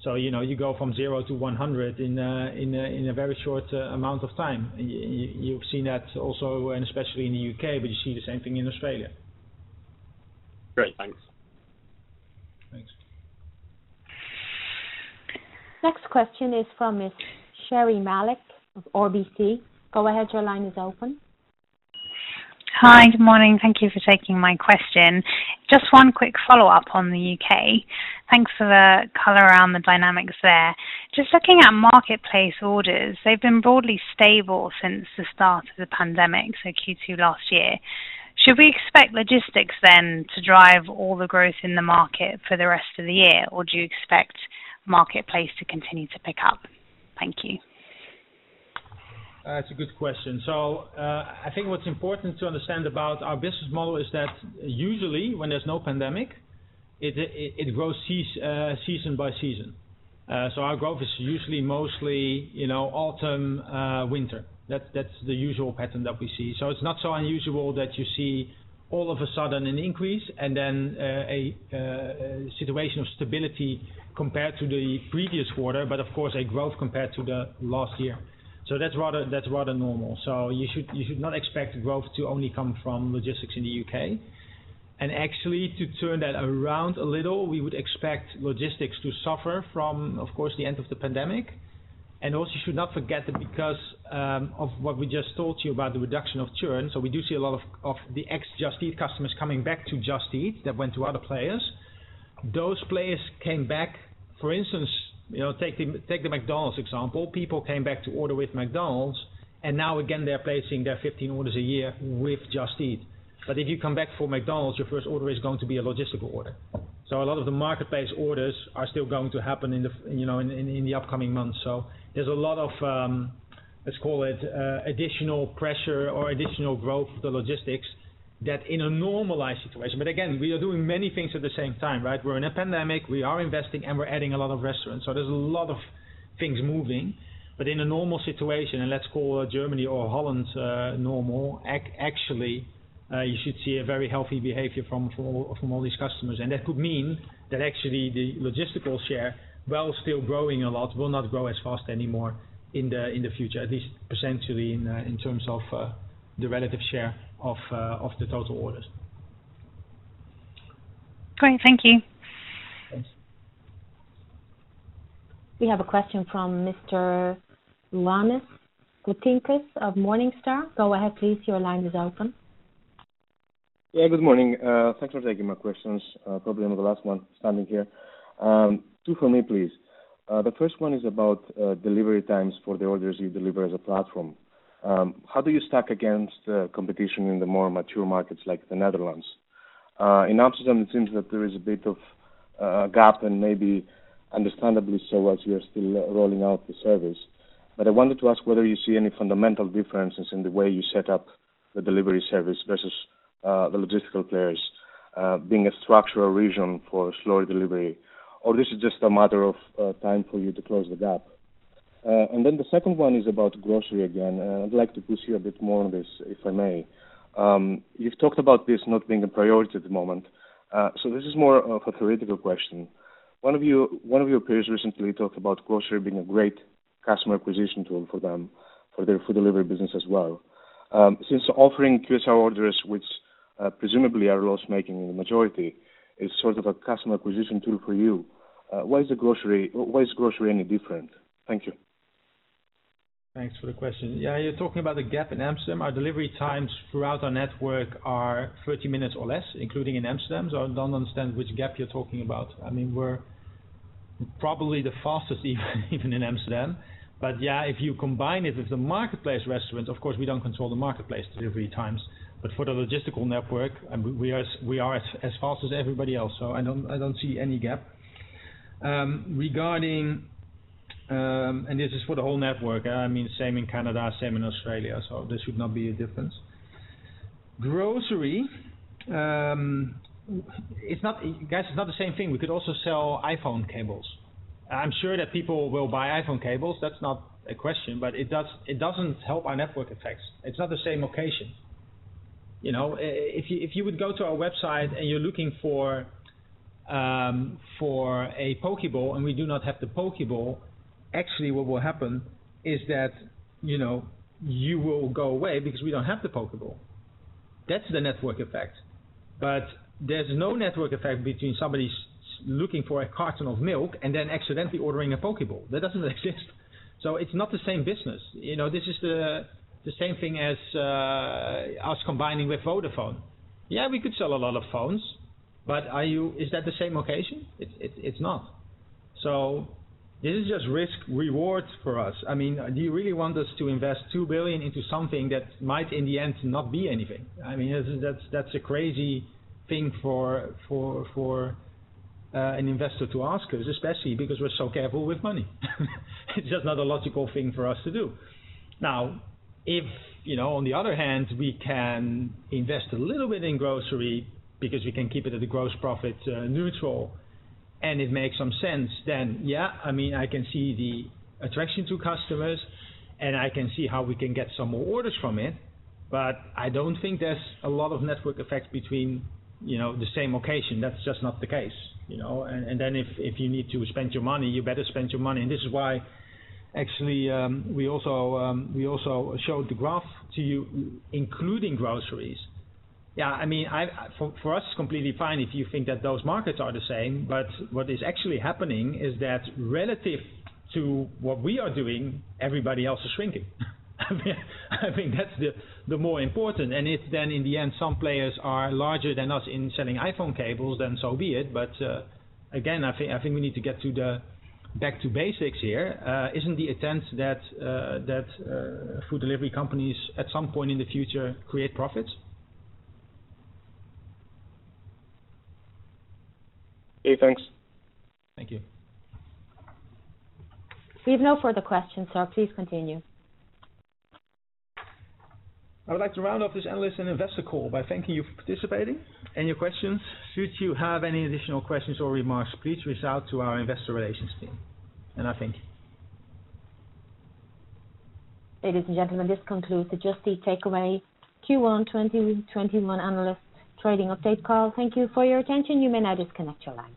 You go from 0 to 100 in a very short amount of time. You've seen that also, and especially in the U.K., but you see the same thing in Australia. Great. Thanks. Thanks. The next question is from Miss Sherri Malek of RBC. Go ahead, your line is open. Hi. Good morning. Thank you for taking my question. Just one quick follow-up on the U.K. Thanks for the color around the dynamics there. Just looking at marketplace orders, they've been broadly stable since the start of the pandemic, so Q2 last year. Should we expect logistics then to drive all the growth in the market for the rest of the year, or do you expect the marketplace to continue to pick up? Thank you. That's a good question. I think what's important to understand about our business model is that usually, when there's no pandemic, it grows season by season. Our growth is usually mostly in autumn and winter. That's the usual pattern that we see. It's not so unusual that you see all of a sudden an increase and then a situation of stability compared to the previous quarter, but of course, a growth compared to the last year. That's rather normal. You should not expect growth to only come from logistics in the U.K. And actually, to turn that around a little, we would expect logistics to suffer from, of course, the end of the pandemic. Also, you should not forget that because of what we just told you about the reduction of churn, we do see a lot of the ex-Just Eat customers coming back to Just Eat who went to other players. Those players came back. For instance, take the McDonald's example. People came back to order with McDonald's, and now again, they're placing their 15 orders a year with Just Eat. If you come back for McDonald's, your first order is going to be a logistical order. A lot of the marketplace orders are still going to happen in the upcoming months. There's a lot of, let's call it, additional pressure or additional growth for logistics that in a normalized situation. Again, we are doing many things at the same time. We're in a pandemic, we are investing, and we're adding a lot of restaurants. There's a lot of things moving. In a normal situation, and let's call Germany or Holland normal, actually, you should see a very healthy behavior from all these customers. That could mean that actually the logistical share, while still growing a lot, will not grow as fast anymore in the future, at least proportionally in terms of the relative share of the total orders. Great. Thank you. Thanks. We have a question from Mr. Ioannis Pontikis of Morningstar. Go ahead, please. Your line is open. Yeah, good morning. Thanks for taking my questions. Probably I'm the last one standing here. Two from me, please. The first one is about delivery times for the orders you deliver as a platform. How do you stack against competition in the more mature markets like the Netherlands? In Amsterdam, it seems that there is a bit of a gap, and maybe understandably so, as you are still rolling out the service. I wanted to ask whether you see any fundamental differences in the way you set up the delivery service versus the logistical players, being a structural reason for slower delivery, or if this is just a matter of time for you to close the gap? The second one is about groceries again. I'd like to push you a bit more on this, if I may. You've talked about this not being a priority at the moment. This is more of a theoretical question. One of your peers recently talked about grocery being a great customer acquisition tool for them for their food delivery business as well. Since offering QSR orders, which presumably are loss-making for the majority, is sort of a customer acquisition tool for you, why is grocery any different? Thank you. Thanks for the question. You're talking about the gap in Amsterdam. Our delivery times throughout our network are 30 minutes or less, including in Amsterdam. I don't understand which gap you're talking about. We're probably the fastest, even in Amsterdam. If you combine it with the marketplace restaurants, of course, we don't control the marketplace delivery times. For the logistical network, we are as fast as everybody else. I don't see any gap. Regarding this, this is for the whole network, same in Canada, same in Australia, this should not be a difference. Grocery, I guess it's not the same thing. We could also sell iPhone cables. I'm sure that people will buy iPhone cables. That's not a question; it doesn't help our network effects. It's not the same occasion. If you go to our website and you're looking for a poke bowl, and we do not have the poke bowl, what will happen is that you will go away because we don't have the poke bowl. That's the network effect. There's no network effect between somebody looking for a carton of milk and then accidentally ordering a poke bowl. That doesn't exist. It's not the same business. This is the same thing as us combining with Vodafone. Yeah, we could sell a lot of phones, but is that the same occasion? It's not. This is just risk and rewards for us. Do you really want us to invest 2 billion into something that might, in the end, not be anything? That's a crazy thing for an investor to ask us, especially because we're so careful with money. It's just not a logical thing for us to do. Now, if on the other hand, we can invest a little bit in groceries because we can keep it at a gross profit neutral, and it makes some sense, then yeah, I can see the attraction to customers, and I can see how we can get some more orders from it. I don't think there's a lot of network effects between the same occasion. That's just not the case. If you need to spend your money, you'd better spend your money. This is why, actually, we also showed the graph to you, including groceries. Yeah, for us, it's completely fine if you think that those markets are the same. What is actually happening is that relative to what we are doing, everybody else is shrinking. I think that's more important. If then in the end, some players are larger than us in selling iPhone cables, then so be it. Again, I think we need to get back to basics here. Isn't the intent that food delivery companies, at some point in the future, create profits? Okay, thanks. Thank you. We have no further questions. Please continue. I would like to round off this analyst and investor call by thanking you for participating and for your questions. Should you have any additional questions or remarks, please reach out to our investor relations team. I thank you. Ladies and gentlemen, this concludes the Just Eat Takeaway Q1 2021 analyst trading update call. Thank you for your attention. You may now disconnect your lines.